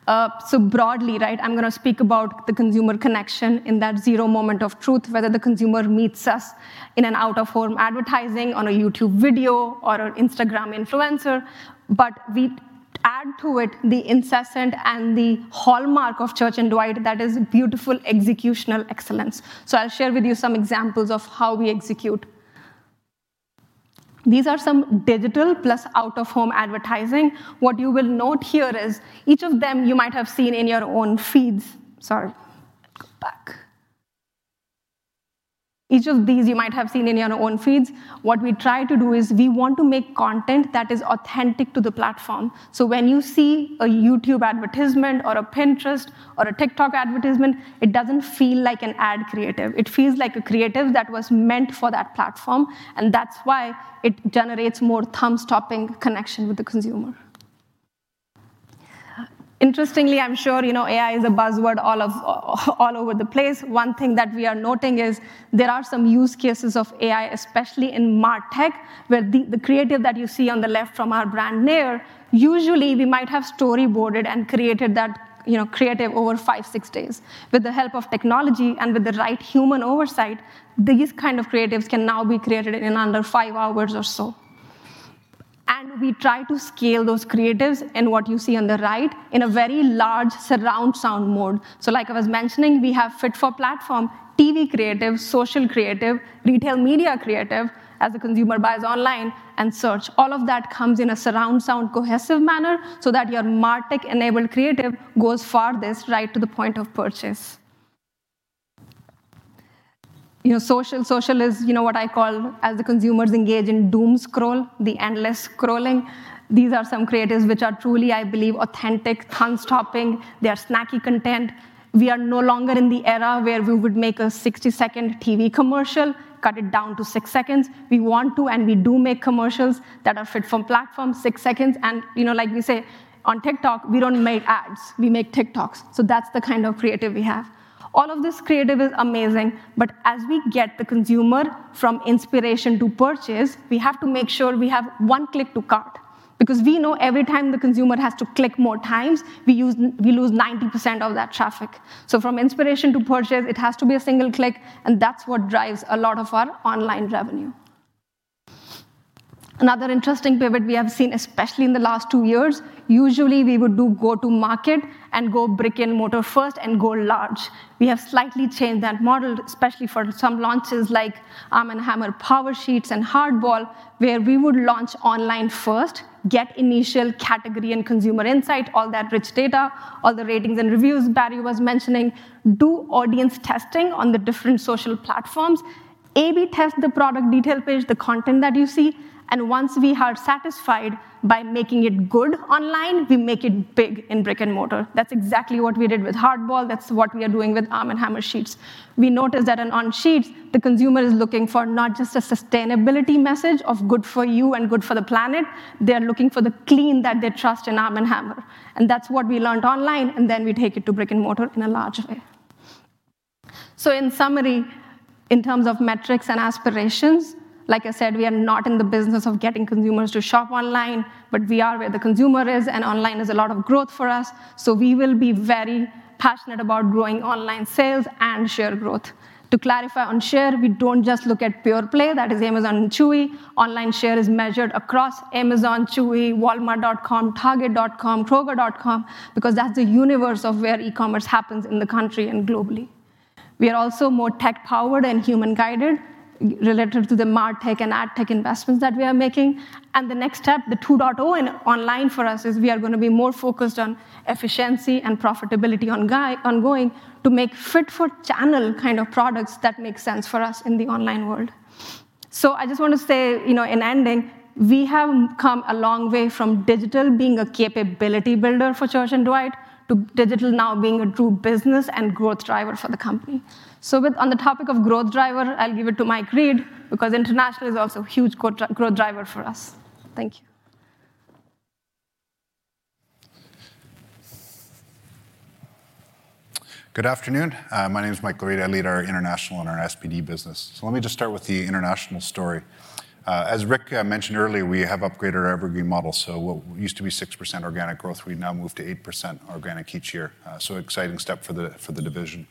So broadly, right, I'm gonna speak about the consumer connection in that zero moment of truth, whether the consumer meets us in an out-of-home advertising, on a YouTube video, or an Instagram influencer. But we add to it the incessant and the hallmark of Church & Dwight, that is beautiful executional excellence. So I'll share with you some examples of how we execute. These are some digital plus out-of-home advertising. What you will note here is each of them you might have seen in your own feeds. Sorry, go back. Each of these you might have seen in your own feeds. What we try to do is we want to make content that is authentic to the platform. So when you see a YouTube advertisement or a Pinterest or a TikTok advertisement, it doesn't feel like an ad creative. It feels like a creative that was meant for that platform, and that's why it generates more thumb-stopping connection with the consumer. Interestingly, I'm sure you know AI is a buzzword all of, all over the place. One thing that we are noting is there are some use cases of AI, especially in MarTech, where the creative that you see on the left from our brand, Nair, usually we might have storyboarded and created that, you know, creative over five-six days. With the help of technology and with the right human oversight, these kind of creatives can now be created in under five hours or so. And we try to scale those creatives, and what you see on the right, in a very large surround sound mode. So like I was mentioning, we have fit for platform, TV creative, social creative, retail media creative, as a consumer buys online, and search. All of that comes in a surround sound, cohesive manner, so that your MarTech-enabled creative goes farthest right to the point of purchase. You know, social, social is, you know, what I call, as the consumers engage in doom scroll, the endless scrolling. These are some creatives which are truly, I believe, authentic, thumb-stopping. They are snacky content. We are no longer in the era where we would make a 60-second TV commercial, cut it down to 6 seconds. We want to, and we do make commercials that are fit for platform, six seconds, and, you know, like we say on TikTok, we don't make ads, we make TikToks. So that's the kind of creative we have. All of this creative is amazing, but as we get the consumer from inspiration to purchase, we have to make sure we have one click to cart... because we know every time the consumer has to click more times, we use, we lose 90% of that traffic. So from inspiration to purchase, it has to be a single click, and that's what drives a lot of our online revenue. Another interesting pivot we have seen, especially in the last two years, usually we would do go-to-market and go brick-and-mortar first and go large. We have slightly changed that model, especially for some launches like ARM & HAMMER Power Sheets and Hardball, where we would launch online first, get initial category and consumer insight, all that rich data, all the ratings and reviews Barry was mentioning, do audience testing on the different social platforms, A/B test the product detail page, the content that you see, and once we are satisfied by making it good online, we make it big in brick-and-mortar. That's exactly what we did with Hardball. That's what we are doing with ARM & HAMMER Sheets. We noticed that on Sheets, the consumer is looking for not just a sustainability message of good for you and good for the planet, they're looking for the clean that they trust in ARM & HAMMER, and that's what we learned online, and then we take it to brick-and-mortar in a large way. So in summary, in terms of metrics and aspirations, like I said, we are not in the business of getting consumers to shop online, but we are where the consumer is, and online is a lot of growth for us, so we will be very passionate about growing online sales and share growth. To clarify on share, we don't just look at pure play, that is Amazon and Chewy. Online share is measured across Amazon, Chewy, Walmart.com, Target.com, Kroger.com, because that's the universe of where e-commerce happens in the country and globally. We are also more tech-powered and human-guided, relative to the MarTech and AdTech investments that we are making. The next step, the 2.0 in online for us, is we are gonna be more focused on efficiency and profitability ongoing to make fit-for-channel kind of products that make sense for us in the online world. So I just want to say, you know, in ending, we have come a long way from digital being a capability builder for Church & Dwight to digital now being a true business and growth driver for the company. On the topic of growth driver, I'll give it to Mike Read, because International is also a huge growth driver for us. Thank you. Good afternoon. My name is Michael Read. I lead our International and our SPD business. So let me just start with the International story. As Rick mentioned earlier, we have upgraded our Evergreen Model. So what used to be 6% organic growth, we've now moved to 8% organic each year. So exciting step for the division.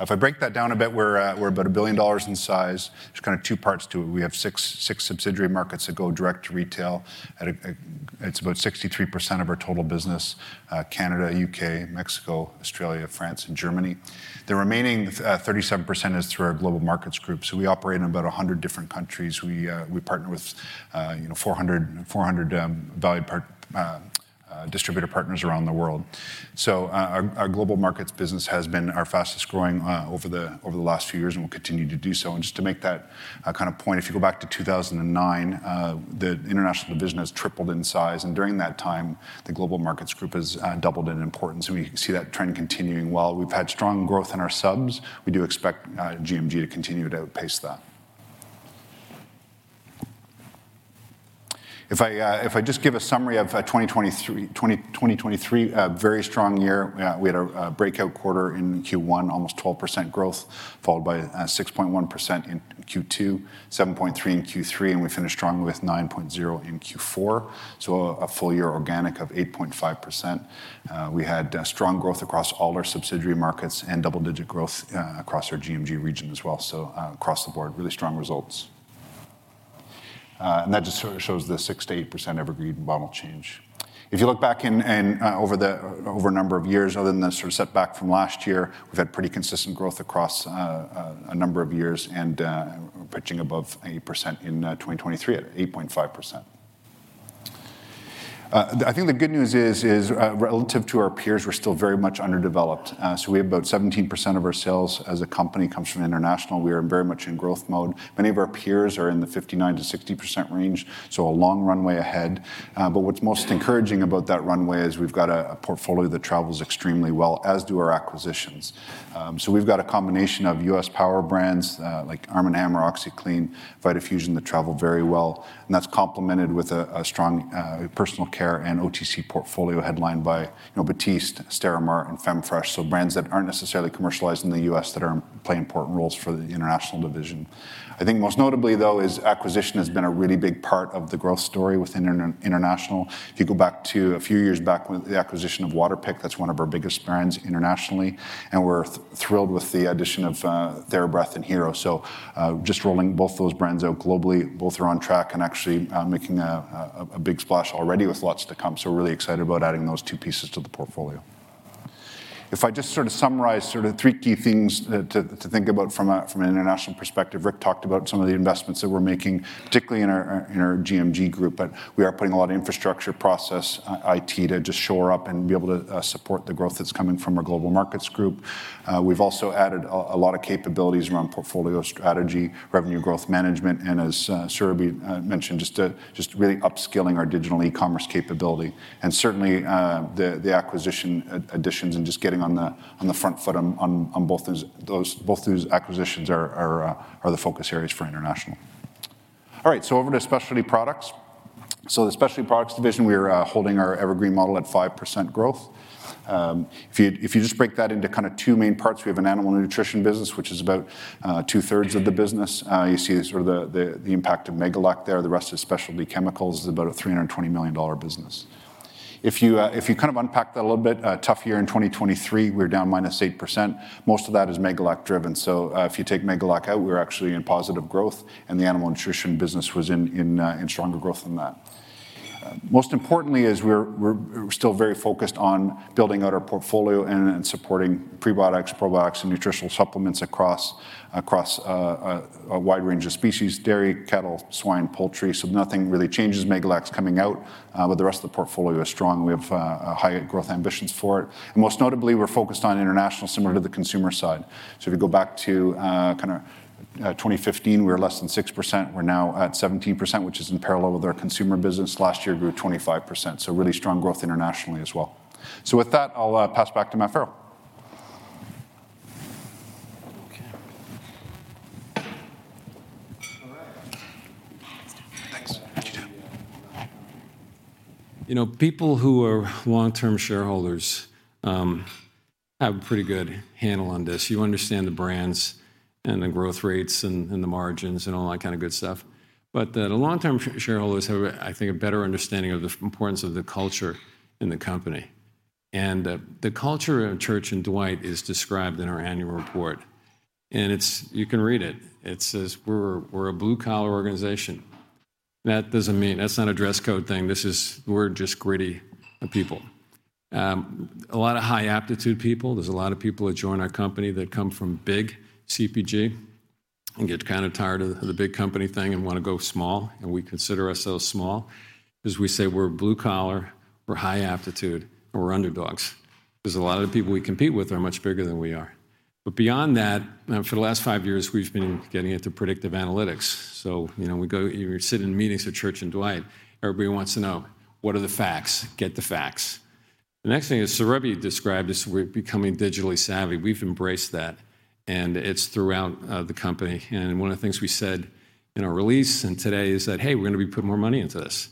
If I break that down a bit, we're about $1 billion in size. There's kind of two parts to it. We have six subsidiary markets that go direct to retail. It's about 63% of our total business, Canada, U.K., Mexico, Australia, France, and Germany. The remaining 37% is through our Global Markets Group. So we operate in about 100 different countries. We partner with, you know, 400 valued partner distributor partners around the world. So our global markets business has been our fastest growing over the last few years and will continue to do so. And just to make that kind of point, if you go back to 2009, the International business tripled in size, and during that time, the global markets group has doubled in importance, and we see that trend continuing. While we've had strong growth in our subs, we do expect GMG to continue to outpace that. If I just give a summary of 2023, a very strong year. We had a breakout quarter in Q1, almost 12% growth, followed by 6.1% in Q2, 7.3% in Q3, and we finished strongly with 9.0% in Q4, so a full year organic of 8.5%. We had strong growth across all our subsidiary markets and double-digit growth across our GMG region as well, so across the board, really strong results. And that just sort of shows the 6%-8% Evergreen Model change. If you look back in over a number of years, other than the sort of setback from last year, we've had pretty consistent growth across a number of years, and we're pitching above 8% in 2023, at 8.5%. I think the good news is, relative to our peers, we're still very much underdeveloped. So, we have about 17% of our sales as a company comes from International. We are very much in growth mode. Many of our peers are in the 59%-60% range, so a long runway ahead. But what's most encouraging about that runway is we've got a portfolio that travels extremely well, as do our acquisitions. So, we've got a combination of U.S. Power Brands, like ARM & HAMMER, OxiClean, Vitafusion, that travel very well, and that's complemented with a strong, personal care and OTC portfolio headlined by, you know, Batiste, Sterimar, and Femfresh. So, brands that aren't necessarily commercialized in the U.S. that are playing important roles for the International division. I think most notably, though, is acquisition has been a really big part of the growth story within International. If you go back to a few years back, with the acquisition of Waterpik, that's one of our biggest brands internationally, and we're thrilled with the addition of, TheraBreath and Hero. So, just rolling both those brands out globally, both are on track and actually, making a big splash already with lots to come, so we're really excited about adding those two pieces to the portfolio. If I just sort of summarize three key things to think about from an international perspective, Rick talked about some of the investments that we're making, particularly in our GMG group, but we are putting a lot of infrastructure, process, IT, to just shore up and be able to support the growth that's coming from our global markets group. We've also added a lot of capabilities around portfolio strategy, revenue growth management, and as Surabhi mentioned, just really upskilling our digital e-commerce capability. And certainly, the acquisition additions and just getting on the front foot on both those acquisitions are the focus areas for International. All right, so over to Specialty Products. So, the Specialty Products division, we are holding our Evergreen Model at 5% growth. If you just break that into kind of two main parts, we have an animal nutrition business, which is about two-thirds of the business. You see sort of the impact of Megalac there. The rest is Specialty Chemicals, about a $320 million business. If you kind of unpack that a little bit, a tough year in 2023, we're down -8%. Most of that is Megalac driven. So, if you take Megalac out, we're actually in positive growth, and the animal nutrition business was in stronger growth than that. Most importantly is we're still very focused on building out our portfolio and supporting prebiotics, probiotics, and nutritional supplements across a wide range of species: dairy, cattle, swine, poultry. So nothing really changes. Megalac's coming out, but the rest of the portfolio is strong. We have high growth ambitions for it, and most notably, we're focused on international, similar to the consumer side. So if you go back to kinda 2015, we were less than 6%. We're now at 17%, which is in parallel with our consumer business. Last year, we grew 25%, so really strong growth internationally as well. So with that, I'll pass back to Matt Farrell. Okay. All right. Thanks.You know, people who are long-term shareholders have a pretty good handle on this. You understand the brands and the growth rates and the margins and all that kind of good stuff. But the long-term shareholders have, I think, a better understanding of the importance of the culture in the company. And the culture of Church & Dwight is described in our annual report, and it's. You can read it. It says, we're a blue-collar organization. That doesn't mean... That's not a dress code thing. This is we're just gritty people. A lot of high aptitude people. There's a lot of people that join our company that come from big CPG and get kind of tired of the big company thing and want to go small, and we consider ourselves small. As we say, we're blue collar, we're high aptitude, and we're underdogs. There's a lot of the people we compete with are much bigger than we are. But beyond that, for the last five years, we've been getting into predictive analytics. So, you know, we go, you sit in meetings with Church & Dwight, everybody wants to know, what are the facts? Get the facts. The next thing is Surabhi described is we're becoming digitally savvy. We've embraced that, and it's throughout the company. And one of the things we said in our release and today is that, "Hey, we're gonna be putting more money into this,"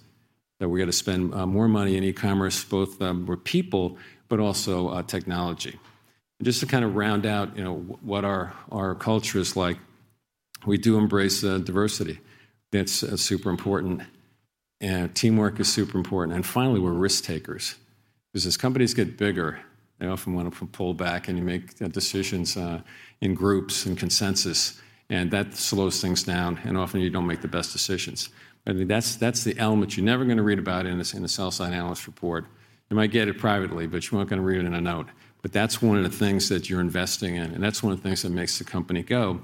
that we're gonna spend more money in e-commerce, both with people, but also technology. Just to kind of round out, you know, what our culture is like, we do embrace diversity. That's super important, and teamwork is super important. And finally, we're risk takers. Because as companies get bigger, they often want to pull back, and you make decisions in groups and consensus, and that slows things down, and often you don't make the best decisions. I think that's the element you're never gonna read about in a sell-side analyst report. You might get it privately, but you aren't gonna read it in a note. But that's one of the things that you're investing in, and that's one of the things that makes the company go.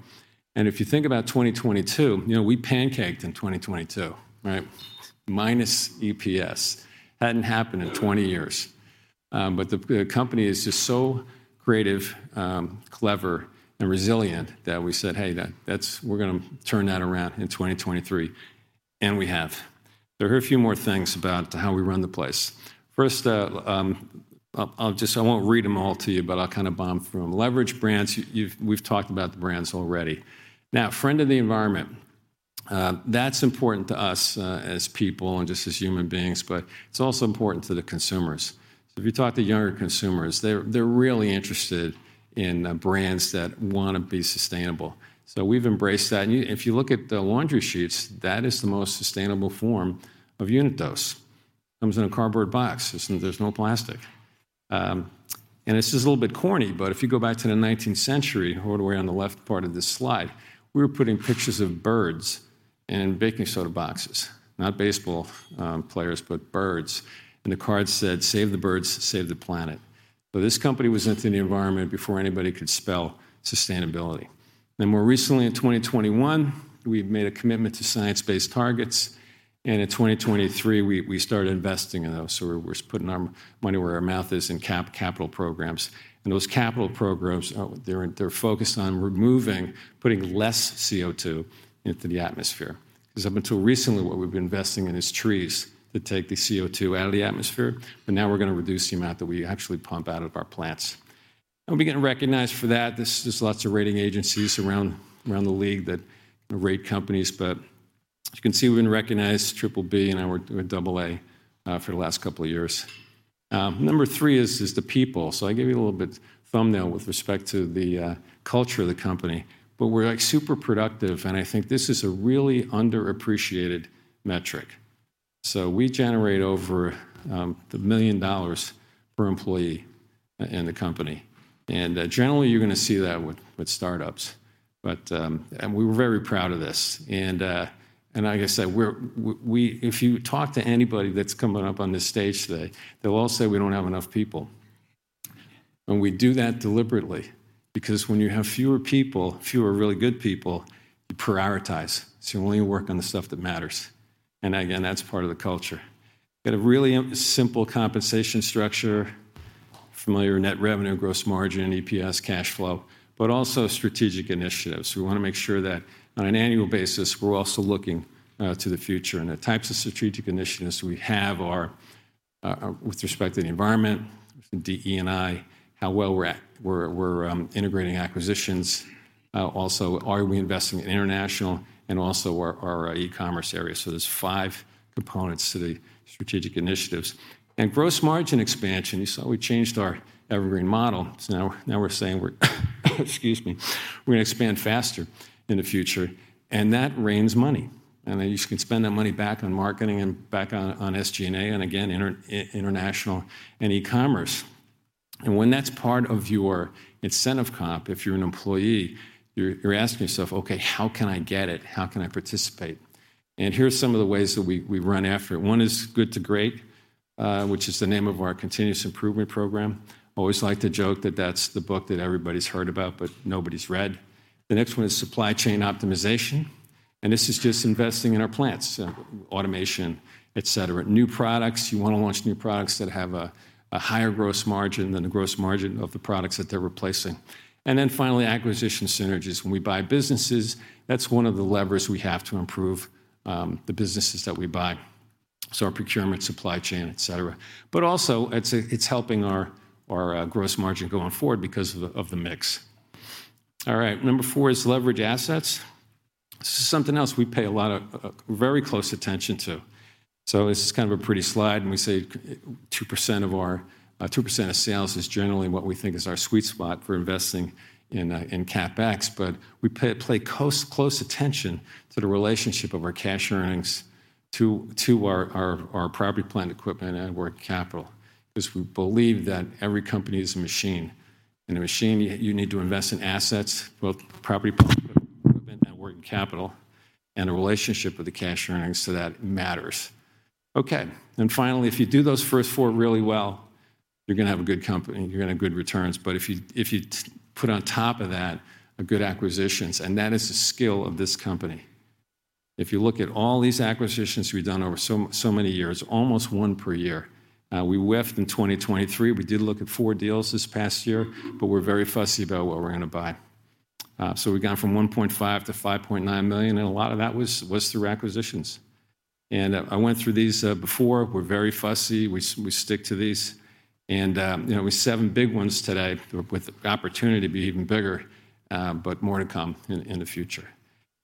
And if you think about 2022, you know, we pancaked in 2022, right? Minus EPS. Hadn't happened in 20 years. But the company is just so creative, clever, and resilient that we said, "Hey, that's-- we're gonna turn that around in 2023," and we have. There are a few more things about how we run the place. First, I'll just-- I won't read them all to you, but I'll kind of bomb through them. Leverage brands, we've talked about the brands already. Now, friend of the environment, that's important to us, as people and just as human beings, but it's also important to the consumers. So if you talk to younger consumers, they're really interested in, brands that wanna be sustainable. So we've embraced that. And if you look at the laundry sheets, that is the most sustainable form of unit dose. Comes in a cardboard box, there's no plastic. And this is a little bit corny, but if you go back to the nineteenth century, all the way on the left part of this slide, we were putting pictures of birds in baking soda boxes. Not baseball players, but birds, and the card said, "Save the birds, save the planet." So this company was into the environment before anybody could spell sustainability. Then more recently, in 2021, we've made a commitment to science-based targets, and in 2023, we started investing in those. So we're putting our money where our mouth is in capital programs. And those capital programs, they're focused on removing, putting less CO2 into the atmosphere. 'Cause up until recently, what we've been investing in is trees that take the CO2 out of the atmosphere, but now we're gonna reduce the amount that we actually pump out of our plants. And we're getting recognized for that. There are lots of rating agencies around the league that rate companies, but you can see we've been recognized triple B, and now we're double A for the last couple of years. Number three is the people. So I gave you a little bit thumbnail with respect to the culture of the company, but we're, like, super productive, and I think this is a really underappreciated metric. So we generate over $1 million per employee in the company, and generally, you're gonna see that with startups. But we were very proud of this. Like I said, if you talk to anybody that's coming up on this stage today, they'll all say we don't have enough people. We do that deliberately, because when you have fewer people, fewer really good people, you prioritize, so you only work on the stuff that matters. And again, that's part of the culture. Got a really simple compensation structure, familiar net revenue, gross margin, EPS, cash flow, but also strategic initiatives. We wanna make sure that on an annual basis, we're also looking to the future. And the types of strategic initiatives we have are with respect to the environment, DE&I, how well we're integrating acquisitions. Also, are we investing in international and also our e-commerce area? So there's five components to the strategic initiatives. Gross margin expansion, you saw we changed our Evergreen Model. So now we're saying we're gonna expand faster in the future, and that rains money. Excuse me. Then you can spend that money back on marketing and back on SG&A, and again, international and e-commerce. And when that's part of your incentive comp, if you're an employee, you're asking yourself: "Okay, how can I get it? How can I participate?" And here are some of the ways that we run after it. One is Good to Great, which is the name of our continuous improvement program. I always like to joke that that's the book that everybody's heard about, but nobody's read. The next one is supply chain optimization, and this is just investing in our plants, automation, et cetera. New products, you wanna launch new products that have a higher gross margin than the gross margin of the products that they're replacing. And then finally, acquisition synergies. When we buy businesses, that's one of the levers we have to improve the businesses that we buy, so our procurement, supply chain, et cetera. But also, it's helping our Gross Margin going forward because of the mix. All right, number four is leverage assets. This is something else we pay a lot of very close attention to. So this is kind of a pretty slide, and we say 2% of our sales is generally what we think is our sweet spot for investing in CapEx, but we pay close attention to the relationship of our cash earnings to our property plant equipment and working capital, 'cause we believe that every company is a machine. In a machine, you need to invest in assets, both property, plant, equipment, net working capital, and a relationship with the cash earnings, so that matters. Okay, and finally, if you do those first four really well, you're gonna have a good company. You're gonna have good returns. But if you put on top of that, a good acquisitions, and that is the skill of this company. If you look at all these acquisitions we've done over so many years, almost one per year. We whiffed in 2023. We did look at four deals this past year, but we're very fussy about what we're gonna buy. So we've gone from $1.5 million-$5.9 million, and a lot of that was through acquisitions. And I went through these before. We're very fussy. We stick to these, and you know, we have seven big ones today, with the opportunity to be even bigger, but more to come in the future.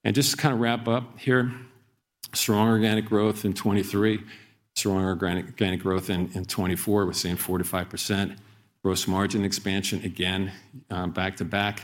And just to kind of wrap up here, strong organic growth in 2023. Strong organic growth in 2024, we're seeing 4%-5%. Gross margin expansion again, back to back.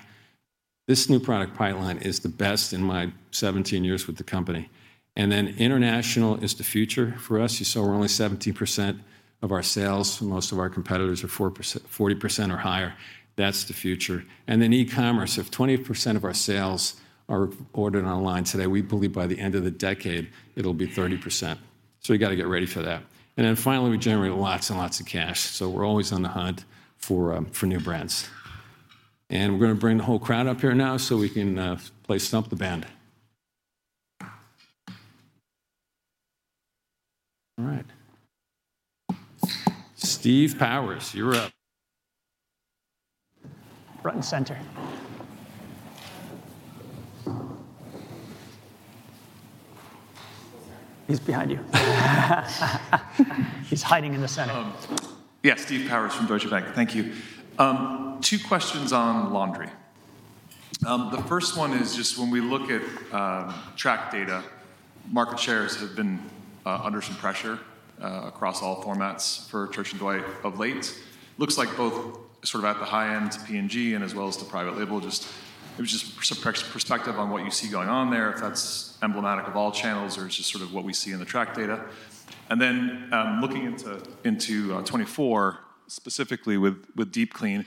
This new product pipeline is the best in my 17 years with the company, and then International is the future for us. You saw we're only 17% of our sales, and most of our competitors are 4%-40% or higher. That's the future. And then e-commerce, if 20% of our sales are ordered online today, we believe by the end of the decade, it'll be 30%, so we gotta get ready for that. And then finally, we generate lots and lots of cash, so we're always on the hunt for new brands. And we're gonna bring the whole crowd up here now, so we can play stump the band. All right. Steve Powers, you're up. Front and center. He's behind you. He's hiding in the center. Yeah, Steve Powers from Deutsche Bank. Thank you. Two questions on laundry. The first one is just when we look at track data, market shares have been under some pressure across all formats for Church & Dwight of late. Looks like both sort of at the high end, P&G, and as well as the private label, just some perspective on what you see going on there, if that's emblematic of all channels or it's just sort of what we see in the track data. And then, looking into 2024, specifically with Deep Clean,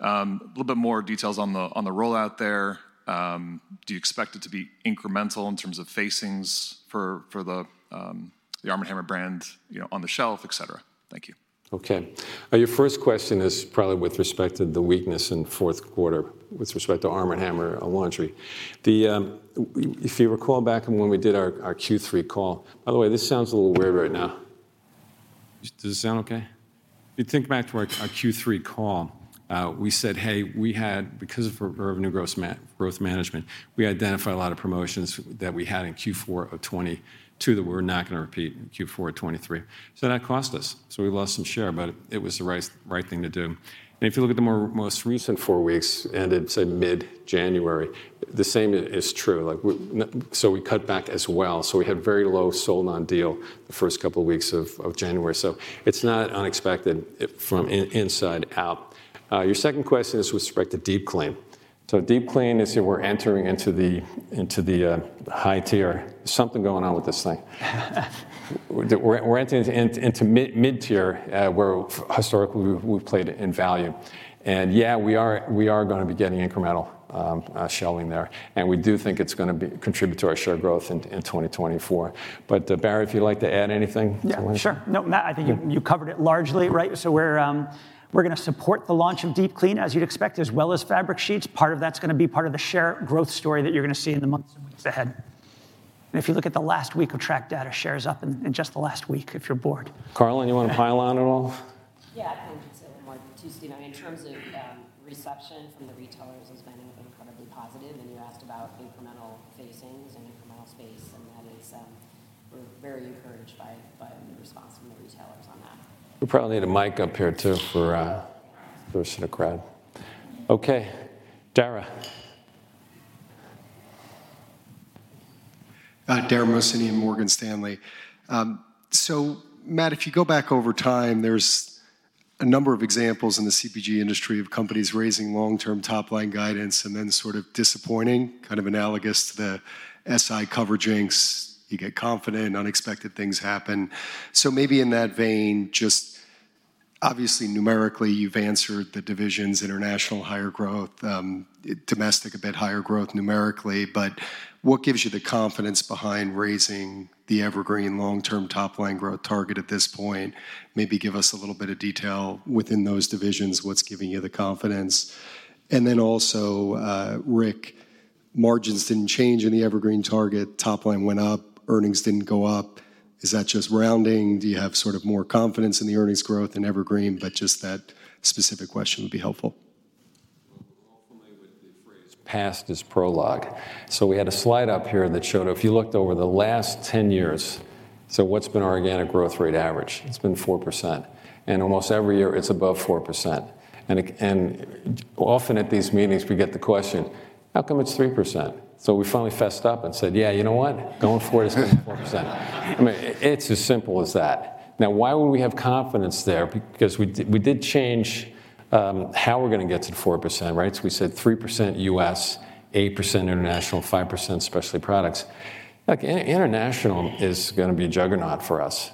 a little bit more details on the rollout there. Do you expect it to be incremental in terms of facings for the ARM & HAMMER brand, you know, on the shelf, et cetera? Thank you. Okay. Your first question is probably with respect to the weakness in the fourth quarter, with respect to ARM & HAMMER laundry. If you recall back on when we did our Q3 call. By the way, this sounds a little weird right now. Does this sound okay? If you think back to our Q3 call, we said, "Hey, we had, because of revenue growth management, we identified a lot of promotions that we had in Q4 of 2022, that we're not gonna repeat in Q4 of 2023." So that cost us, so we lost some share, but it was the right thing to do. And if you look at the most recent four weeks, ended, say, mid-January, the same is true. So we cut back as well, so we had very low sold on deal the first couple of weeks of January. So it's not unexpected from inside out. Your second question is with respect to Deep Clean. So Deep Clean is, we're entering into the, into the high tier. There's something going on with this thing. We're entering into mid-tier, where historically, we've played in value. And yeah, we are gonna be getting incremental shelving there, and we do think it's gonna contribute to our share growth in 2024. But, Barry, if you'd like to add anything? Yeah, sure. No, Matt, I think you, you covered it largely, right? So we're, we're gonna support the launch of Deep Clean, as you'd expect, as well as fabric sheets. Part of that's gonna be part of the share growth story that you're gonna see in the months and weeks ahead. And if you look at the last week of track data, share's up in just the last week if you're bored. Carlen, you want to pile on at all? Yeah, I can just say a little more too, Steve. I mean, in terms of reception from the retailers has been incredibly positive, and you asked about incremental facings and incremental space, and that is... We're very encouraged by the response from the retailers on that. We probably need a mic up here, too, for person in the crowd. Okay, Dara? Dara Mohsenian from Morgan Stanley. So Matt, if you go back over time, there's a number of examples in the CPG industry of companies raising long-term top-line guidance and then sort of disappointing, kind of analogous to the SI cover jinx. You get confident, unexpected things happen. So maybe in that vein, just obviously numerically, you've answered the divisions, International higher growth, Domestic a bit higher growth numerically. But what gives you the confidence behind raising the evergreen long-term top-line growth target at this point? Maybe give us a little bit of detail within those divisions, what's giving you the confidence? And then also, Rick, margins didn't change in the evergreen target. Top line went up; earnings didn't go up. Is that just rounding? Do you have sort of more confidence in the earnings growth in evergreen? But just that specific question would be helpful. Well, we're all familiar with the phrase, "Past is prologue." So, we had a slide up here that showed if you looked over the last 10 years, so what's been our organic growth rate average? It's been 4%, and almost every year it's above 4%. And it-- and often at these meetings, we get the question: How come it's 3%? So, we finally fessed up and said, "Yeah, you know what? Going forward, it's gonna be 4%." I mean, it's as simple as that. Now, why would we have confidence there? Because we did, we did change how we're gonna get to 4%, right? So, we said 3% U.S., 8% International, 5% Specialty Products. Like, International is gonna be a juggernaut for us.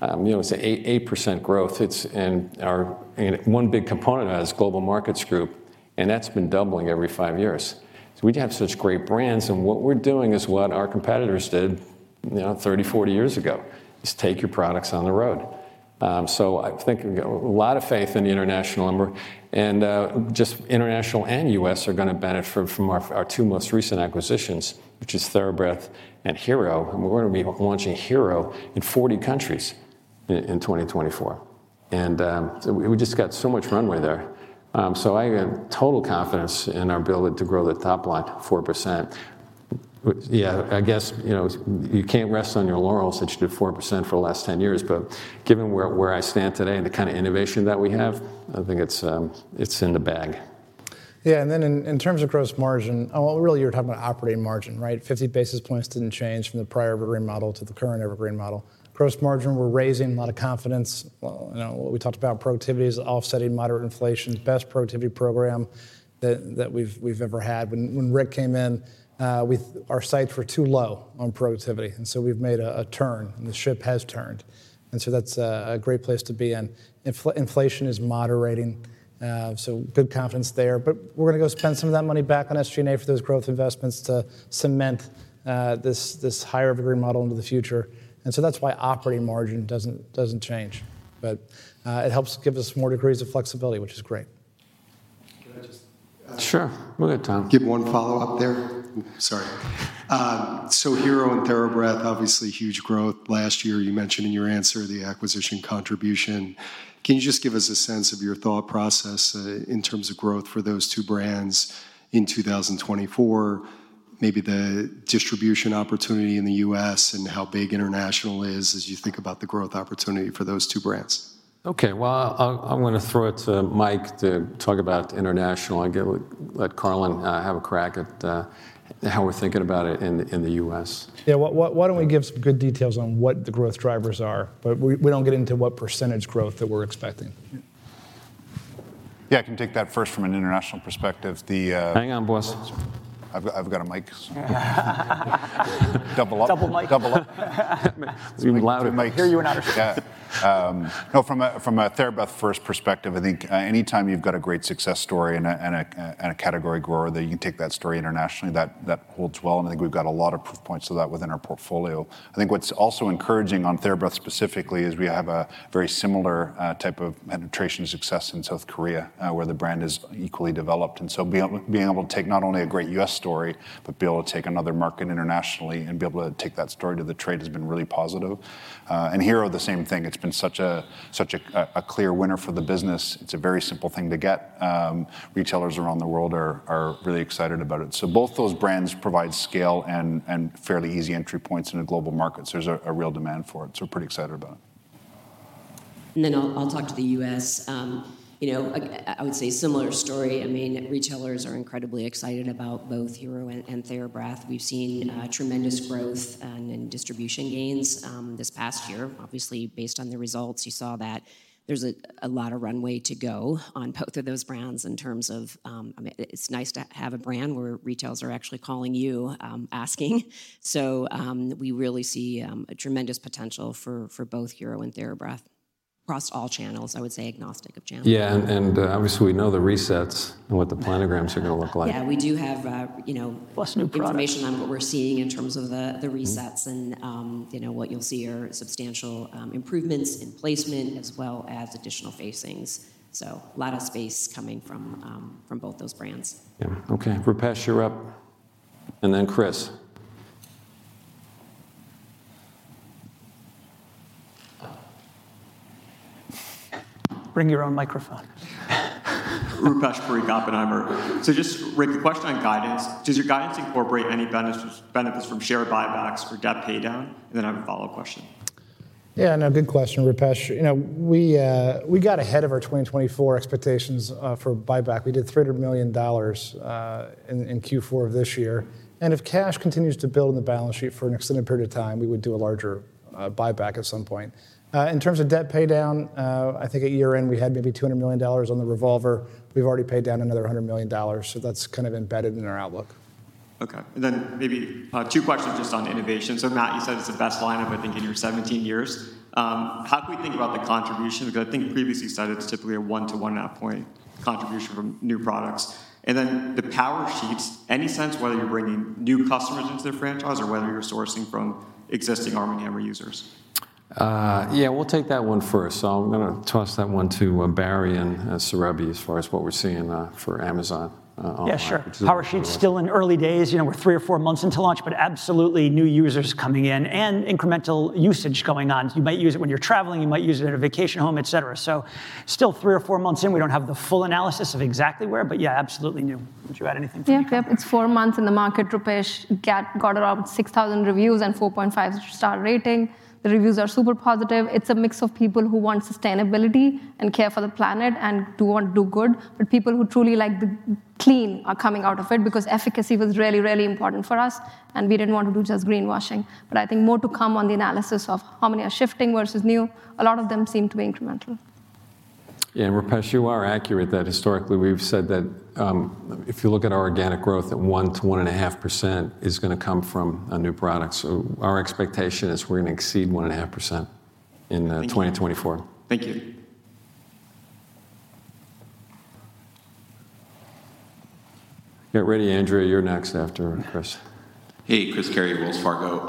You know, it's 8% growth. And one big component of that is Global Markets Group, and that's been doubling every five years. So we have such great brands, and what we're doing is what our competitors did, you know, 30, 40 years ago, is take your products on the road. So I think we've got a lot of faith in the International, and we're and just International and U.S. are gonna benefit from our two most recent acquisitions, which is TheraBreath and Hero, and we're gonna be launching Hero in 40 countries in 2024. And so we just got so much runway there. So I have total confidence in our ability to grow the top line 4%. Yeah, I guess, you know, you can't rest on your laurels since you did 4% for the last 10 years, but given where I stand today and the kind of innovation that we have, I think it's in the bag. Yeah, and then in terms of gross margin, well, really, you're talking about operating margin, right? 50 basis points didn't change from the prior Evergreen Model to the current Evergreen Model. Gross margin, we're raising a lot of confidence. Well, you know, we talked about productivity is offsetting moderate inflation, best productivity program that we've ever had. When Rick came in, our sights were too low on productivity, and so we've made a turn, and the ship has turned, and so that's a great place to be in. Inflation is moderating, so good confidence there. But we're gonna go spend some of that money back on SG&A for those growth investments to cement this higher Evergreen Model into the future. So that's why operating margin doesn't change, but it helps give us more degrees of flexibility, which is great. Can I just, Sure. We're good, Dara. Give one follow-up there? Sorry. So Hero and TheraBreath, obviously, huge growth. Last year, you mentioned in your answer the acquisition contribution. Can you just give us a sense of your thought process, in terms of growth for those two brands in 2024, maybe the distribution opportunity in the U.S. and how big International is as you think about the growth opportunity for those two brands? Okay, well, I'm gonna throw it to Mike to talk about International and let Carlen have a crack at how we're thinking about it in the U.S. Yeah, why don't we give some good details on what the growth drivers are, but we don't get into what percentage growth that we're expecting. Yeah, I can take that first from an International perspective. The- Hang on, boys. I've got, I've got a mic. Double up. Double mic. Double up. It's even louder. I hear you now. Yeah. No, from a TheraBreath first perspective, I think anytime you've got a great success story and a category grower, that you can take that story internationally, that holds well, and I think we've got a lot of proof points to that within our portfolio. I think what's also encouraging on TheraBreath specifically is we have a very similar type of penetration success in South Korea, where the brand is equally developed. And so being able to take not only a great U.S. story, but be able to take another market internationally and be able to take that story to the trade has been really positive. And Hero are the same thing. It's been such a clear winner for the business. It's a very simple thing to get. Retailers around the world are really excited about it. So both those brands provide scale and fairly easy entry points into global markets. There's a real demand for it, so we're pretty excited about it. And then I'll, I'll talk to the U.S. You know, I would say similar story. I mean, retailers are incredibly excited about both Hero and TheraBreath. We've seen tremendous growth and distribution gains this past year. Obviously, based on the results, you saw that there's a lot of runway to go on both of those brands in terms of... I mean, it's nice to have a brand where retailers are actually calling you, asking. So, we really see a tremendous potential for both Hero and TheraBreath across all channels, I would say, agnostic of channels. Yeah, and, and, obviously, we know the resets and what the planograms are gonna look like. Yeah, we do have, you know- Plus new products. -information on what we're seeing in terms of the resets, and, you know, what you'll see are substantial improvements in placement as well as additional facings. So a lot of space coming from, from both those brands. Yeah. Okay, Rupesh, you're up, and then Chris. Bring your own microphone. Rupesh Parikh, Oppenheimer. So just, Rick, a question on guidance: Does your guidance incorporate any benefits, benefits from share buybacks or debt paydown? And then I have a follow-up question. Yeah, no, good question, Rupesh. You know, we got ahead of our 2024 expectations for buyback. We did $300 million in Q4 of this year, and if cash continues to build on the balance sheet for an extended period of time, we would do a larger buyback at some point. In terms of debt paydown, I think at year-end, we had maybe $200 million on the revolver. We've already paid down another $100 million, so that's kind of embedded in our outlook. Okay. And then maybe two questions just on innovation. So Matt, you said it's the best lineup, I think, in your 17 years. How do we think about the contribution? Because I think previously you said it's typically a 1-1.5-point contribution from new products. And then the Power Sheets, any sense whether you're bringing new customers into the franchise or whether you're sourcing from existing ARM & HAMMER users? Yeah, we'll take that one first. So I'm going to toss that one to Barry and Surabhi as far as what we're seeing for Amazon online. Yeah, sure. Power Sheets still in early days, you know, we're three or four months into launch, but absolutely new users coming in and incremental usage going on. You might use it when you're traveling, you might use it at a vacation home, et cetera. So still three or four months in, we don't have the full analysis of exactly where, but yeah, absolutely new. Would you add anything to that? Yeah. Yep, it's four months in the market, Rupesh. Got, got around 6,000 reviews and 4.5-star rating. The reviews are super positive. It's a mix of people who want sustainability and care for the planet and do want to do good, but people who truly like the clean are coming out of it because efficacy was really, really important for us, and we didn't want to do just greenwashing. But I think more to come on the analysis of how many are shifting versus new. A lot of them seem to be incremental. Yeah, and Rupesh, you are accurate that historically we've said that, if you look at our organic growth at 1%-1.5% is going to come from a new product. So our expectation is we're going to exceed 1.5% in 2024. Thank you. Get ready, Andrea. You're next after Chris. Hey, Chris Carey, Wells Fargo.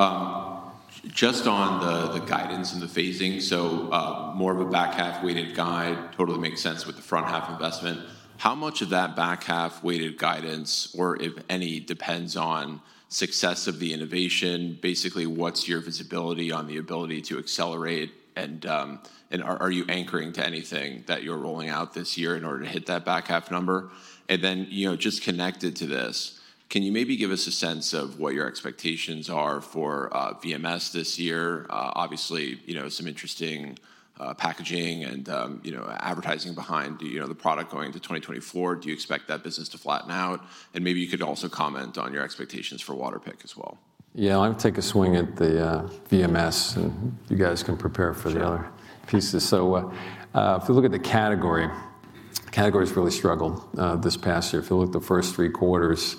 Just on the, the guidance and the phasing, so, more of a back half-weighted guide, totally makes sense with the front half investment. How much of that back half-weighted guidance, or if any, depends on success of the innovation? Basically, what's your visibility on the ability to accelerate? And, and are, are you anchoring to anything that you're rolling out this year in order to hit that back half number? And then, you know, just connected to this, can you maybe give us a sense of what your expectations are for, VMS this year? Obviously, you know, some interesting, packaging and, you know, advertising behind, you know, the product going into 2024. Do you expect that business to flatten out? And maybe you could also comment on your expectations for Waterpik as well. Yeah, I'll take a swing at the VMS, and you guys can prepare for the other- Sure -pieces. So, if you look at the category, the category's really struggled this past year. If you look at the first three quarters,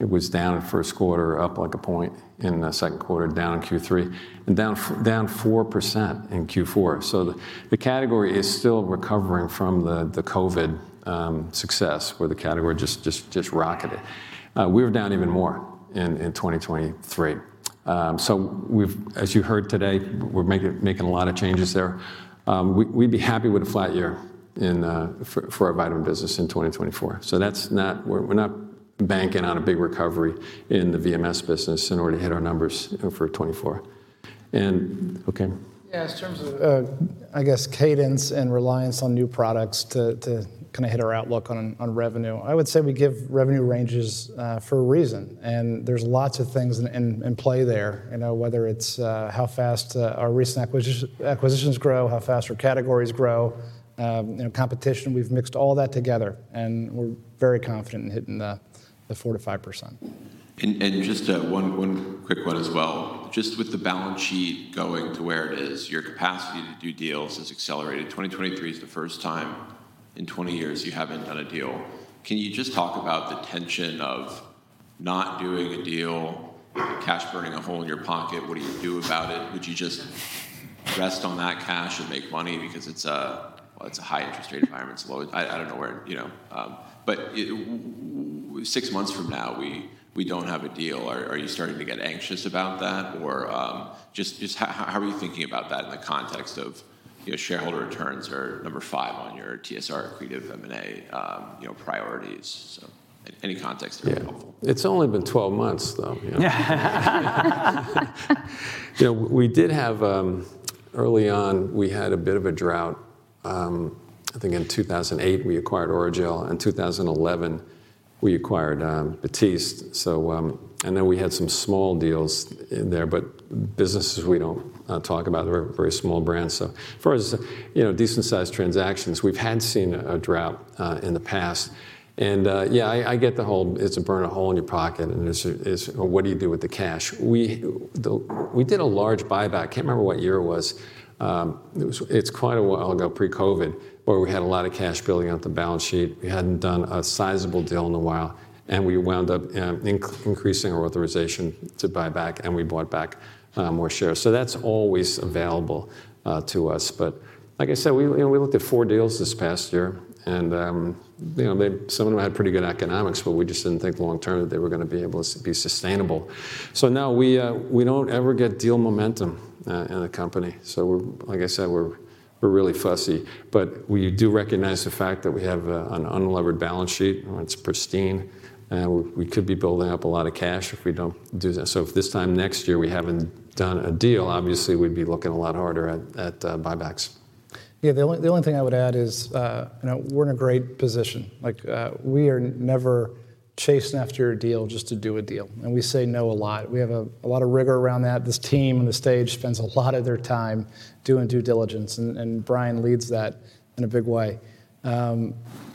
it was down in first quarter, up like a point in the second quarter, down in Q3, and down 4% in Q4. So the category is still recovering from the COVID success, where the category just rocketed. We were down even more in 2023. So we've as you heard today, we're making a lot of changes there. We'd be happy with a flat year in for our vitamin business in 2024. So that's not... We're not banking on a big recovery in the VMS business in order to hit our numbers for 2024. And... Okay. Yeah, in terms of, I guess, cadence and reliance on new products to kind of hit our outlook on revenue, I would say we give revenue ranges for a reason, and there's lots of things in play there, you know, whether it's how fast our recent acquisitions grow, how fast our categories grow, you know, competition. We've mixed all that together, and we're very confident in hitting the 4%-5%. Just one quick one as well. Just with the balance sheet going to where it is, your capacity to do deals has accelerated. 2023 is the first time in 20 years you haven't done a deal. Can you just talk about the tension of not doing a deal, cash burning a hole in your pocket? What do you do about it? Would you just rest on that cash and make money because it's a, well, it's a high interest rate environment, it's low. I don't know where, you know, but in 6 months from now, we don't have a deal. Are you starting to get anxious about that? Or just how are you thinking about that in the context of, you know, shareholder returns are number 5 on your TSR accretive M&A, you know, priorities? Any context there would be helpful. Yeah. It's only been 12 months, though, you know? You know, we did have, early on, we had a bit of a drought. I think in 2008, we acquired Orajel, and in 2011, we acquired, Batiste. So, and then we had some small deals in there, but businesses we don't talk about. They're very small brands. So as far as, you know, decent-sized transactions, we've had seen a drought, in the past. And, yeah, I, I get the whole, "It's a burn, a hole in your pocket," and it's, it's, "What do you do with the cash?" We, we did a large buyback. I can't remember what year it was. It was, it's quite a while ago, pre-COVID, where we had a lot of cash building up the balance sheet. We hadn't done a sizable deal in a while, and we wound up, increasing our authorization to buy back, and we bought back, more shares. So that's always available, to us. But like I said, we, you know, we looked at four deals this past year, and, you know, they, some of them had pretty good economics, but we just didn't think long term that they were going to be able to be sustainable. So no, we, we don't ever get deal momentum, in the company. So we're, like I said, we're, we're really fussy, but we do recognize the fact that we have a, an unlevered balance sheet, and it's pristine, and we, we could be building up a lot of cash if we don't do that. So if this time next year we haven't done a deal, obviously, we'd be looking a lot harder at buybacks. Yeah, the only thing I would add is, you know, we're in a great position. Like, we are never chasing after a deal just to do a deal, and we say no a lot. We have a lot of rigor around that. This team on the stage spends a lot of their time doing due diligence, and Brian leads that in a big way.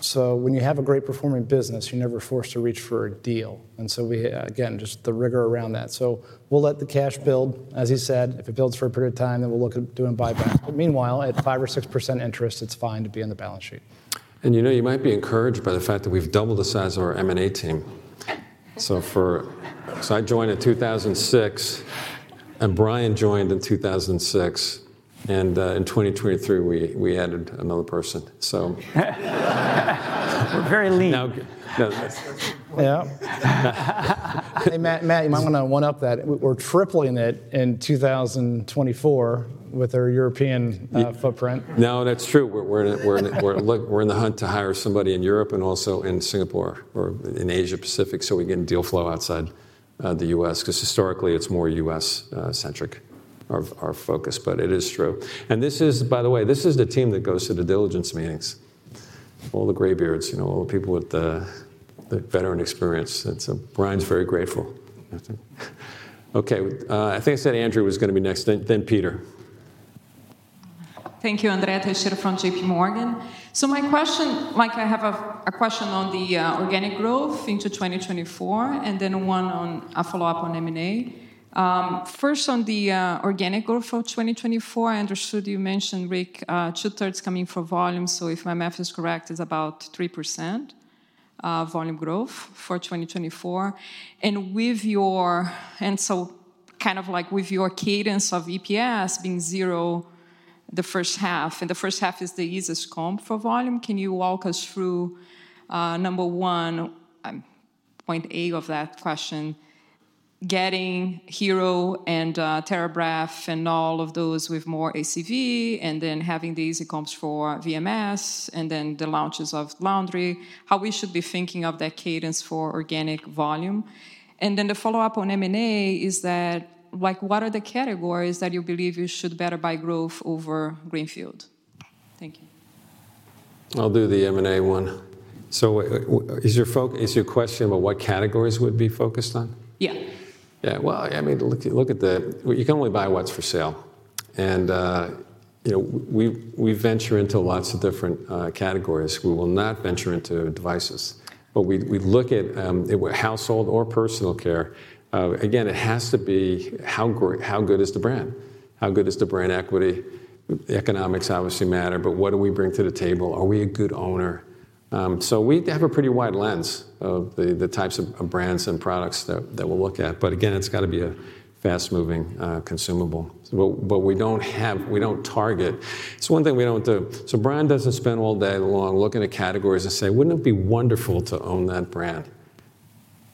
So when you have a great performing business, you're never forced to reach for a deal, and so we, again, just the rigor around that. So we'll let the cash build, as he said, if it builds for a period of time, then we'll look at doing buybacks. But meanwhile, at 5% or 6% interest, it's fine to be on the balance sheet. You know, you might be encouraged by the fact that we've doubled the size of our M&A team. So I joined in 2006, and Brian joined in 2006, and in 2023, we added another person, so- We're very lean. Now, yeah. Yeah. Hey, Matt, Matt, you might want to one-up that. We're tripling it in 2024 with our European, Yeah Footprint. No, that's true. We're in the hunt to hire somebody in Europe and also in Singapore or in Asia Pacific, so we get a deal flow outside the U.S., because historically, it's more U.S. centric, our focus, but it is true. And this is, by the way, the team that goes to the diligence meetings. All the gray beards, you know, all the people with the veteran experience, and so Brian's very grateful. Okay, I think I said Andrew was going to be next, then Peter. Thank you, Andrea Teixeira from JP Morgan. So my question, Mike, I have a question on the organic growth into 2024, and then one on a follow-up on M&A. First, on the organic growth for 2024, I understood you mentioned, Rick, two-thirds coming for volume, so if my math is correct, it's about 3% volume growth for 2024. And so kind of like with your cadence of EPS being zero the first half, and the first half is the easiest comp for volume, can you walk us through number one, point A of that question, getting Hero and TheraBreath and all of those with more ACV, and then having the easy comps for VMS, and then the launches of Laundry, how we should be thinking of that cadence for organic volume? And then the follow-up on M&A is that, like, what are the categories that you believe you should better buy growth over greenfield? Thank you. I'll do the M&A one. So is your question about what categories we'd be focused on? Yeah. Yeah, well, I mean, look. You can only buy what's for sale. And, you know, we, we venture into lots of different categories. We will not venture into devices, but we look at household or personal care. Again, it has to be how good is the brand? How good is the brand equity? Economics obviously matter, but what do we bring to the table? Are we a good owner? So we have a pretty wide lens of the types of brands and products that we'll look at, but again, it's got to be a fast-moving consumable. But we don't target. It's one thing we don't do. So Brian doesn't spend all day long looking at categories and say: "Wouldn't it be wonderful to own that brand?"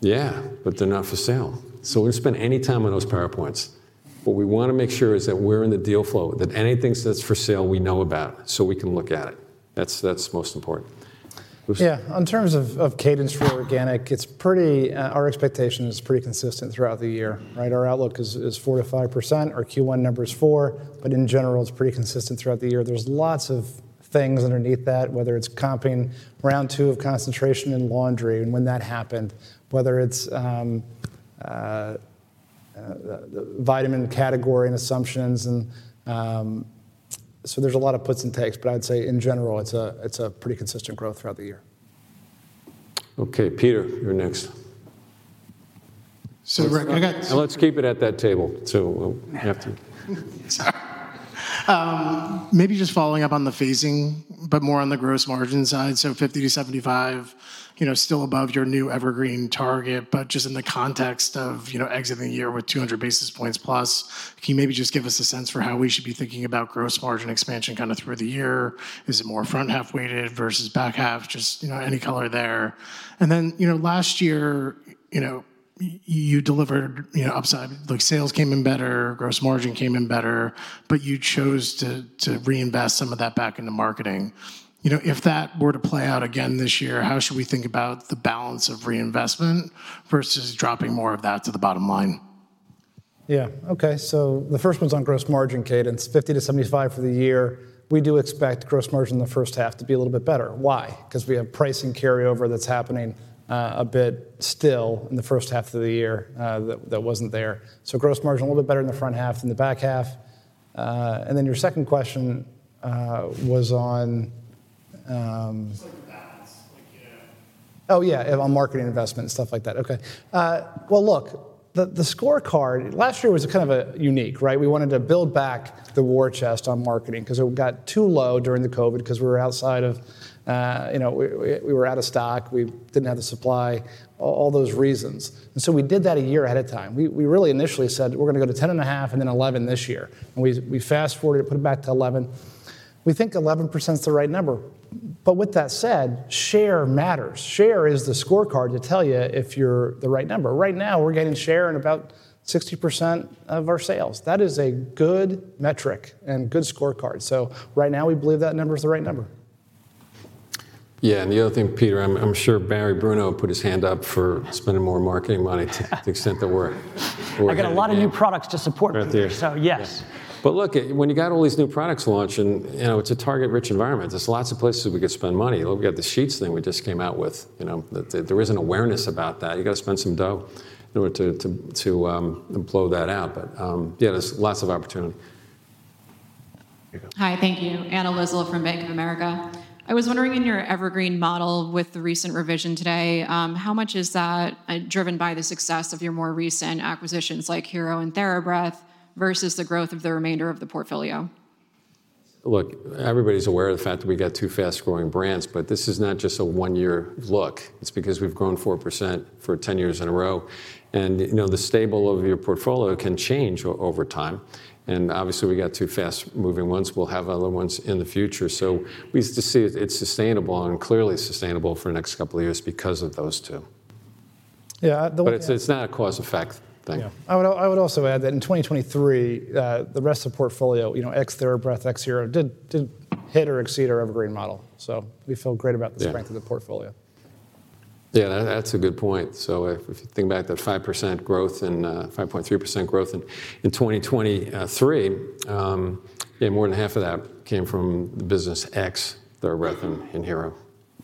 Yeah, but they're not for sale. So we don't spend any time on those PowerPoints, but we want to make sure is that we're in the deal flow, that anything that's for sale, we know about, so we can look at it. That's, that's most important. Who's- Yeah, in terms of, of cadence for organic, it's pretty, our expectation is pretty consistent throughout the year, right? Our outlook is four to five percent, our Q1 number is four, but in general, it's pretty consistent throughout the year. There's lots of things underneath that, whether it's comping round two of concentration in laundry and when that happened, whether it's vitamin category and assumptions, and, so there's a lot of puts and takes, but I'd say in general, it's a pretty consistent growth throughout the year. Okay, Peter, you're next. Rick, I got- Let's keep it at that table, so we'll have to- Sorry. Maybe just following up on the phasing, but more on the gross margin side. So 50-75, you know, still above your new evergreen target, but just in the context of, you know, exiting the year with 200 basis points plus, can you maybe just give us a sense for how we should be thinking about gross margin expansion kind of through the year? Is it more front-half weighted versus back half? Just, you know, any color there. And then, you know, last year, you know, you delivered, you know, upside, like sales came in better, gross margin came in better, but you chose to reinvest some of that back into marketing. You know, if that were to play out again this year, how should we think about the balance of reinvestment versus dropping more of that to the bottom line? Yeah. Okay, so the first one's on gross margin cadence, 50-75 for the year. We do expect gross margin in the first half to be a little bit better. Why? Because we have pricing carryover that's happening a bit still in the first half of the year that wasn't there. So gross margin a little bit better in the front half than the back half. And then your second question was on- Just like the balance, like, yeah. Oh, yeah, on marketing investment and stuff like that. Okay. Well, look, the scorecard. Last year was kind of a unique, right? We wanted to build back the war chest on marketing because it got too low during the COVID because we were outside of, you know, we were out of stock, we didn't have the supply, all those reasons. And so we did that a year ahead of time. We really initially said: "We're going to go to 10.5, and then 11 this year." And we fast-forwarded it, put it back to 11. We think 11% is the right number. But with that said, share matters. Share is the scorecard to tell you if you're the right number. Right now, we're getting share in about 60% of our sales. That is a good metric and good scorecard. Right now, we believe that number is the right number. Yeah, and the other thing, Peter, I'm sure Barry Bruno put his hand up for spending more marketing money to the extent that we're... I've got a lot of new products to support here. Right there. So, yes. But look, when you got all these new products launching, you know, it's a target-rich environment. There's lots of places we could spend money. Look, we've got the sheets thing we just came out with, you know, that there is an awareness about that. You've got to spend some dough in order to blow that out. But, yeah, there's lots of opportunity. Here you go. Hi. Thank you. Anna Lizzul from Bank of America. I was wondering, in your Evergreen Model with the recent revision today, how much is that driven by the success of your more recent acquisitions, like Hero and TheraBreath, versus the growth of the remainder of the portfolio? Look, everybody's aware of the fact that we've got two fast-growing brands, but this is not just a one-year look. It's because we've grown 4% for 10 years in a row, and, you know, the stable of your portfolio can change over time, and obviously, we got two fast-moving ones. We'll have other ones in the future. So we used to see it, it's sustainable and clearly sustainable for the next couple of years because of those two. Yeah, the- It's not a cause-effect thing. Yeah. I would also add that in 2023, the rest of the portfolio, you know, ex-TheraBreath, ex-Hero, did hit or exceed our Evergreen Model, so we feel great about- Yeah -the strength of the portfolio. Yeah, that's a good point. So if you think back to 5% growth and 5.3% growth in 2023, yeah, more than half of that came from the business ex-TheraBreath and Hero.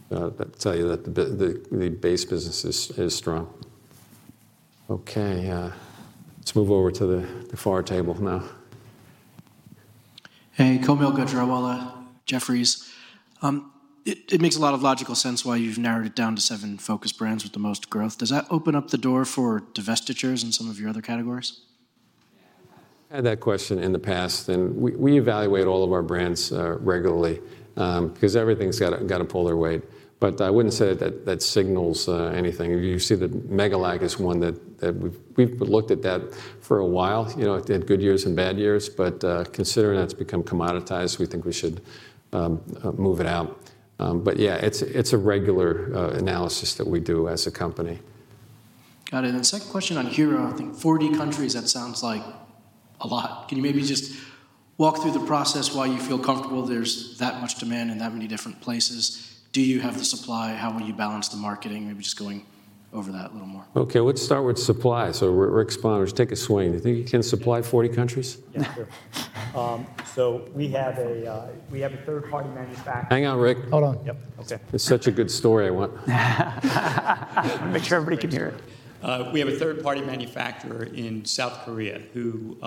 That tells you that the base business is strong. Okay, let's move over to the far table now. Hey, Kaumil Gajrawala, Jefferies. It makes a lot of logical sense why you've narrowed it down to seven focus brands with the most growth. Does that open up the door for divestitures in some of your other categories? I had that question in the past, and we evaluate all of our brands regularly, because everything's got to pull their weight. But I wouldn't say that that signals anything. You see that Megalac is one that we've looked at that for a while. You know, it had good years and bad years, but considering that's become commoditized, we think we should move it out. But yeah, it's a regular analysis that we do as a company. Got it. And the second question on Hero, I think 40 countries, that sounds like a lot. Can you maybe just walk through the process why you feel comfortable there's that much demand in that many different places? Do you have the supply? How will you balance the marketing? Maybe just going over that a little more. Okay, let's start with supply. So Rick it's time, take a swing. Do you think you can supply 40 countries? Yeah, sure. So we have a third-party manufacturer- Hang on, Rick. Hold on. Yep, okay. It's such a good story I want. Make sure everybody can hear it. We have a third-party manufacturer in South Korea who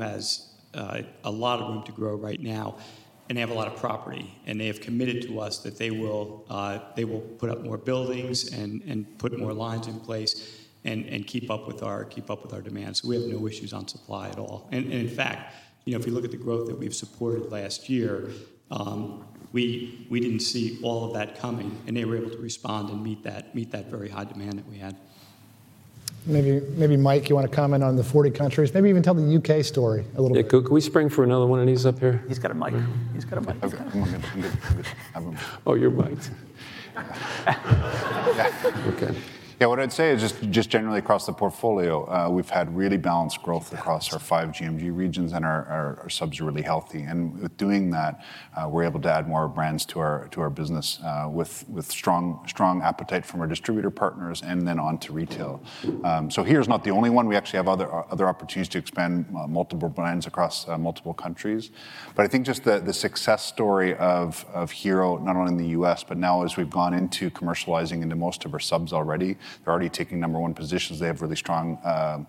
has a lot of room to grow right now, and they have a lot of property, and they have committed to us that they will put up more buildings and put more lines in place and keep up with our demand. So we have no issues on supply at all. And in fact, you know, if you look at the growth that we've supported last year, we didn't see all of that coming, and they were able to respond and meet that very high demand that we had. Maybe, maybe, Mike, you want to comment on the 40 countries, maybe even tell the U.K. story a little bit. Yeah. Can we spring for another one of these up here? He's got a mic. He's got a mic. Okay. I'm gonna have him... Oh, you're mic'd. Okay. Yeah, what I'd say is just generally across the portfolio, we've had really balanced growth across our five GMG regions, and our subs are really healthy. And with doing that, we're able to add more brands to our business with strong appetite from our distributor partners and then on to retail. So Hero's not the only one. We actually have other opportunities to expand multiple brands across multiple countries. But I think just the success story of Hero, not only in the U.S., but now as we've gone into commercializing into most of our subs already, they're already taking number one positions. They have really strong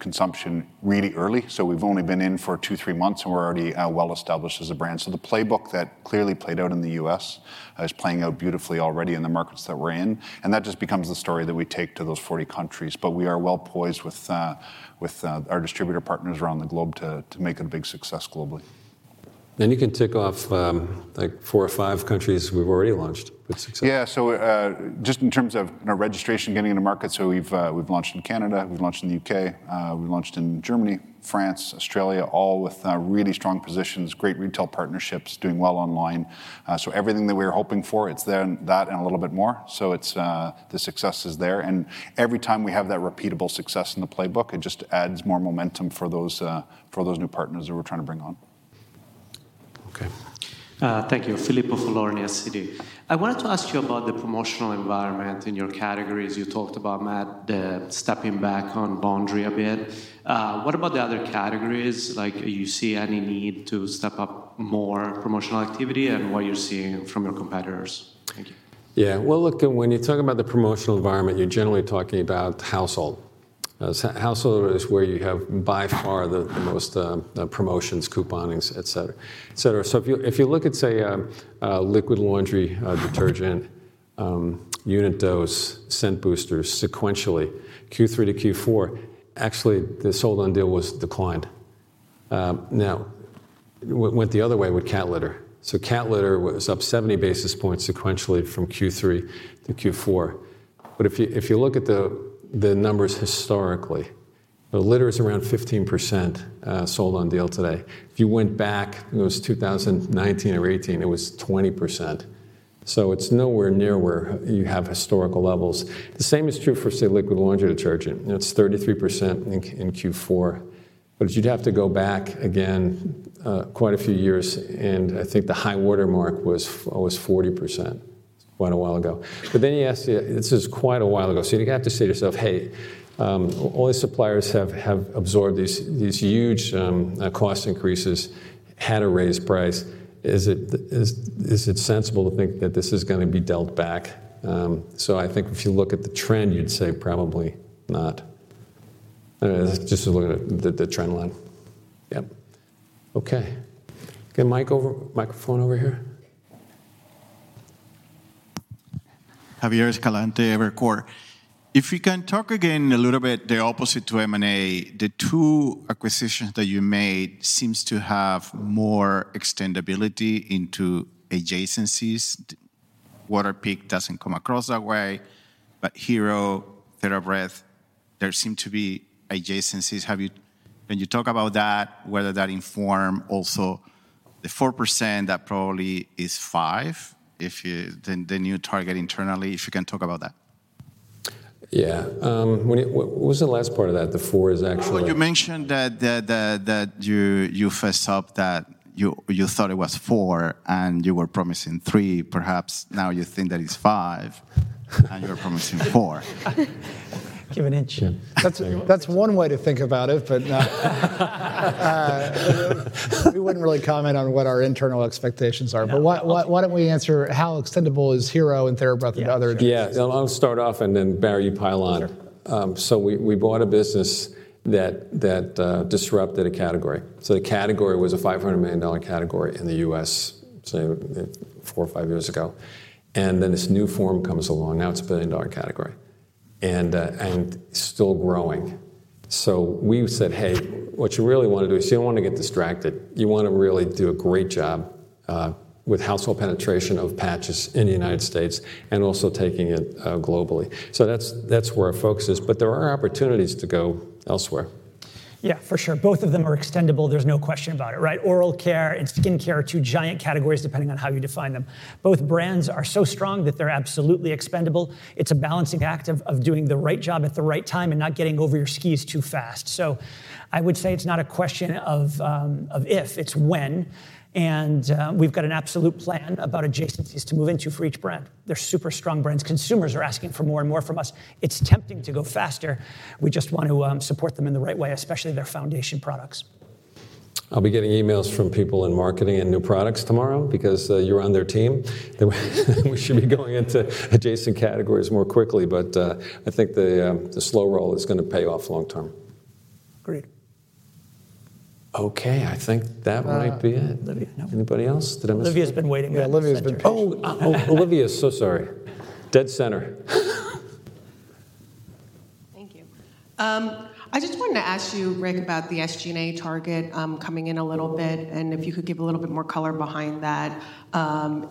consumption really early. So we've only been in for two months-three months, and we're already well established as a brand. So the playbook that clearly played out in the U.S. is playing out beautifully already in the markets that we're in, and that just becomes the story that we take to those 40 countries. But we are well poised with our distributor partners around the globe to make it a big success globally. Then you can tick off, like four or five countries we've already launched with success. Yeah. So, just in terms of our registration getting into market, so we've, we've launched in Canada, we've launched in the U.K., we've launched in Germany, France, Australia, all with really strong positions, great retail partnerships, doing well online. So everything that we were hoping for, it's then that and a little bit more. So it's the success is there, and every time we have that repeatable success in the playbook, it just adds more momentum for those, for those new partners that we're trying to bring on. Okay. Thank you. Filippo Falorni, Citi. I wanted to ask you about the promotional environment in your categories. You talked about, Matt, the stepping back on boundary a bit. What about the other categories? Like, do you see any need to step up more promotional activity and what you're seeing from your competitors? Thank you. Yeah. Well, look, when you're talking about the promotional environment, you're generally talking about household. So household is where you have by far the most promotions, couponing, et cetera, et cetera. So if you look at, say, liquid laundry detergent, unit dose, scent boosters sequentially, Q3-Q4, actually, the sold on deal was declined. Now, went the other way with cat litter. So cat litter was up 70 basis points sequentially from Q3-Q4. But if you look at the numbers historically, the litter is around 15% sold on deal today. If you went back, it was 2019 or 2018, it was 20%. So it's nowhere near where you have historical levels. The same is true for, say, liquid laundry detergent. It's 33% in Q4.... But you'd have to go back again, quite a few years, and I think the high watermark was 40% quite a while ago. But then you ask, this is quite a while ago, so you have to say to yourself, "Hey, all the suppliers have absorbed these huge cost increases, had to raise price. Is it sensible to think that this is gonna be dealt back?" So I think if you look at the trend, you'd say probably not. Just looking at the trend line. Yep. Okay. Get mic over, microphone over here. Javier Escalante, Evercore. If we can talk again a little bit, the opposite to M&A, the two acquisitions that you made seems to have more extendability into adjacencies. Waterpik doesn't come across that way, but Hero, TheraBreath, there seem to be adjacencies. Have you— Can you talk about that, whether that inform also the 4%, that probably is 5%, if you then you target internally, if you can talk about that? Yeah, when it— What, what was the last part of that? The four is actually- You mentioned that you first thought that you thought it was four, and you were promising three. Perhaps now you think that it's five, and you're promising four. Give an inch. That's one way to think about it, but we wouldn't really comment on what our internal expectations are. Yeah. But why, why don't we answer how extendable is Hero and TheraBreath and other- Yeah. I'll start off, and then, Barry, you pile on. Sure. So, we bought a business that disrupted a category. So, the category was a $500 million category in the U.S., say, four or five years ago, and then this new form comes along. Now it's a $1 billion category and still growing. So, we said: Hey, what you really wanna do is you don't wanna get distracted. You wanna really do a great job with household penetration of patches in the United States and also taking it globally. So that's where our focus is, but there are opportunities to go elsewhere. Yeah, for sure. Both of them are extendable, there's no question about it, right? Oral care and skin care are two giant categories, depending on how you define them. Both brands are so strong that they're absolutely expandable. It's a balancing act of doing the right job at the right time and not getting over your skis too fast. So, I would say it's not a question of if, it's when, and we've got an absolute plan about adjacencies to move into for each brand. They're super strong brands. Consumers are asking for more and more from us. It's tempting to go faster. We just want to support them in the right way, especially their foundation products. I'll be getting emails from people in marketing and new products tomorrow because you're on their team. We should be going into adjacent categories more quickly, but I think the slow roll is gonna pay off long term. Great. Okay, I think that might be it. Olivia, no. Anybody else? Did I miss- Olivia's been waiting. Yeah, Olivia's been- Oh! Olivia, so sorry. Dead center. Thank you. I just wanted to ask you, Rick, about the SG&A target, coming in a little bit, and if you could give a little bit more color behind that.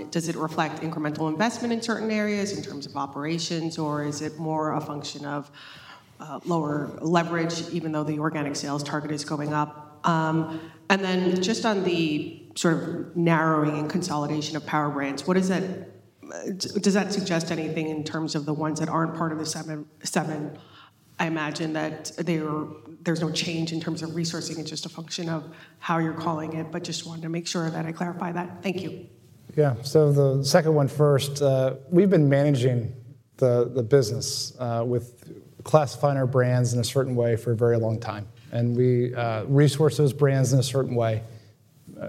Does it reflect incremental investment in certain areas in terms of operations, or is it more a function of, lower leverage, even though the organic sales target is going up? And then just on the sort of narrowing and consolidation of Power Brands, what does that... Does that suggest anything in terms of the ones that aren't part of the seven? I imagine that they are, there's no change in terms of resourcing. It's just a function of how you're calling it but just wanted to make sure that I clarify that. Thank you. Yeah. So the second one first, we've been managing the business with classifying our brands in a certain way for a very long time, and we resource those brands in a certain way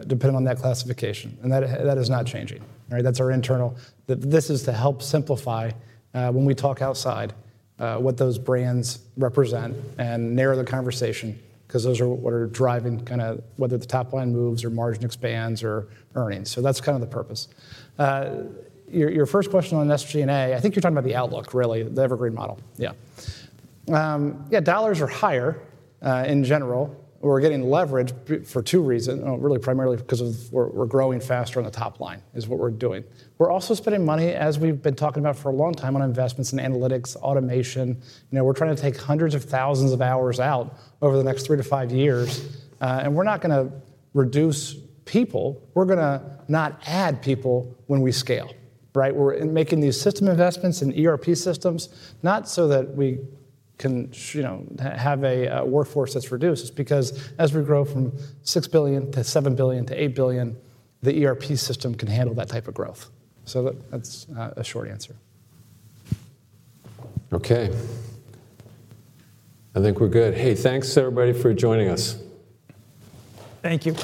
depending on that classification, and that is not changing. Right? That's our internal... This is to help simplify when we talk outside what those brands represent and narrow the conversation, 'cause those are what are driving kind of whether the top line moves or margin expands or earnings. So that's kind of the purpose. Your first question on SG&A, I think you're talking about the outlook, really, the Evergreen Model. Yeah. Yeah, dollars are higher in general. We're getting leverage for two reasons, really, primarily because of we're growing faster on the top line, is what we're doing. We're also spending money, as we've been talking about for a long time, on investments in analytics, automation. You know, we're trying to take hundreds of thousands of hours out over the next three to five years, and we're not gonna reduce people. We're gonna not add people when we scale, right? We're making these system investments in ERP systems, not so that we can, you know, have a workforce that's reduced. It's because as we grow from $6 billion-$7 billion-$8 billion, the ERP system can handle that type of growth. So that's a short answer. Okay. I think we're good. Hey, thanks, everybody, for joining us. Thank you.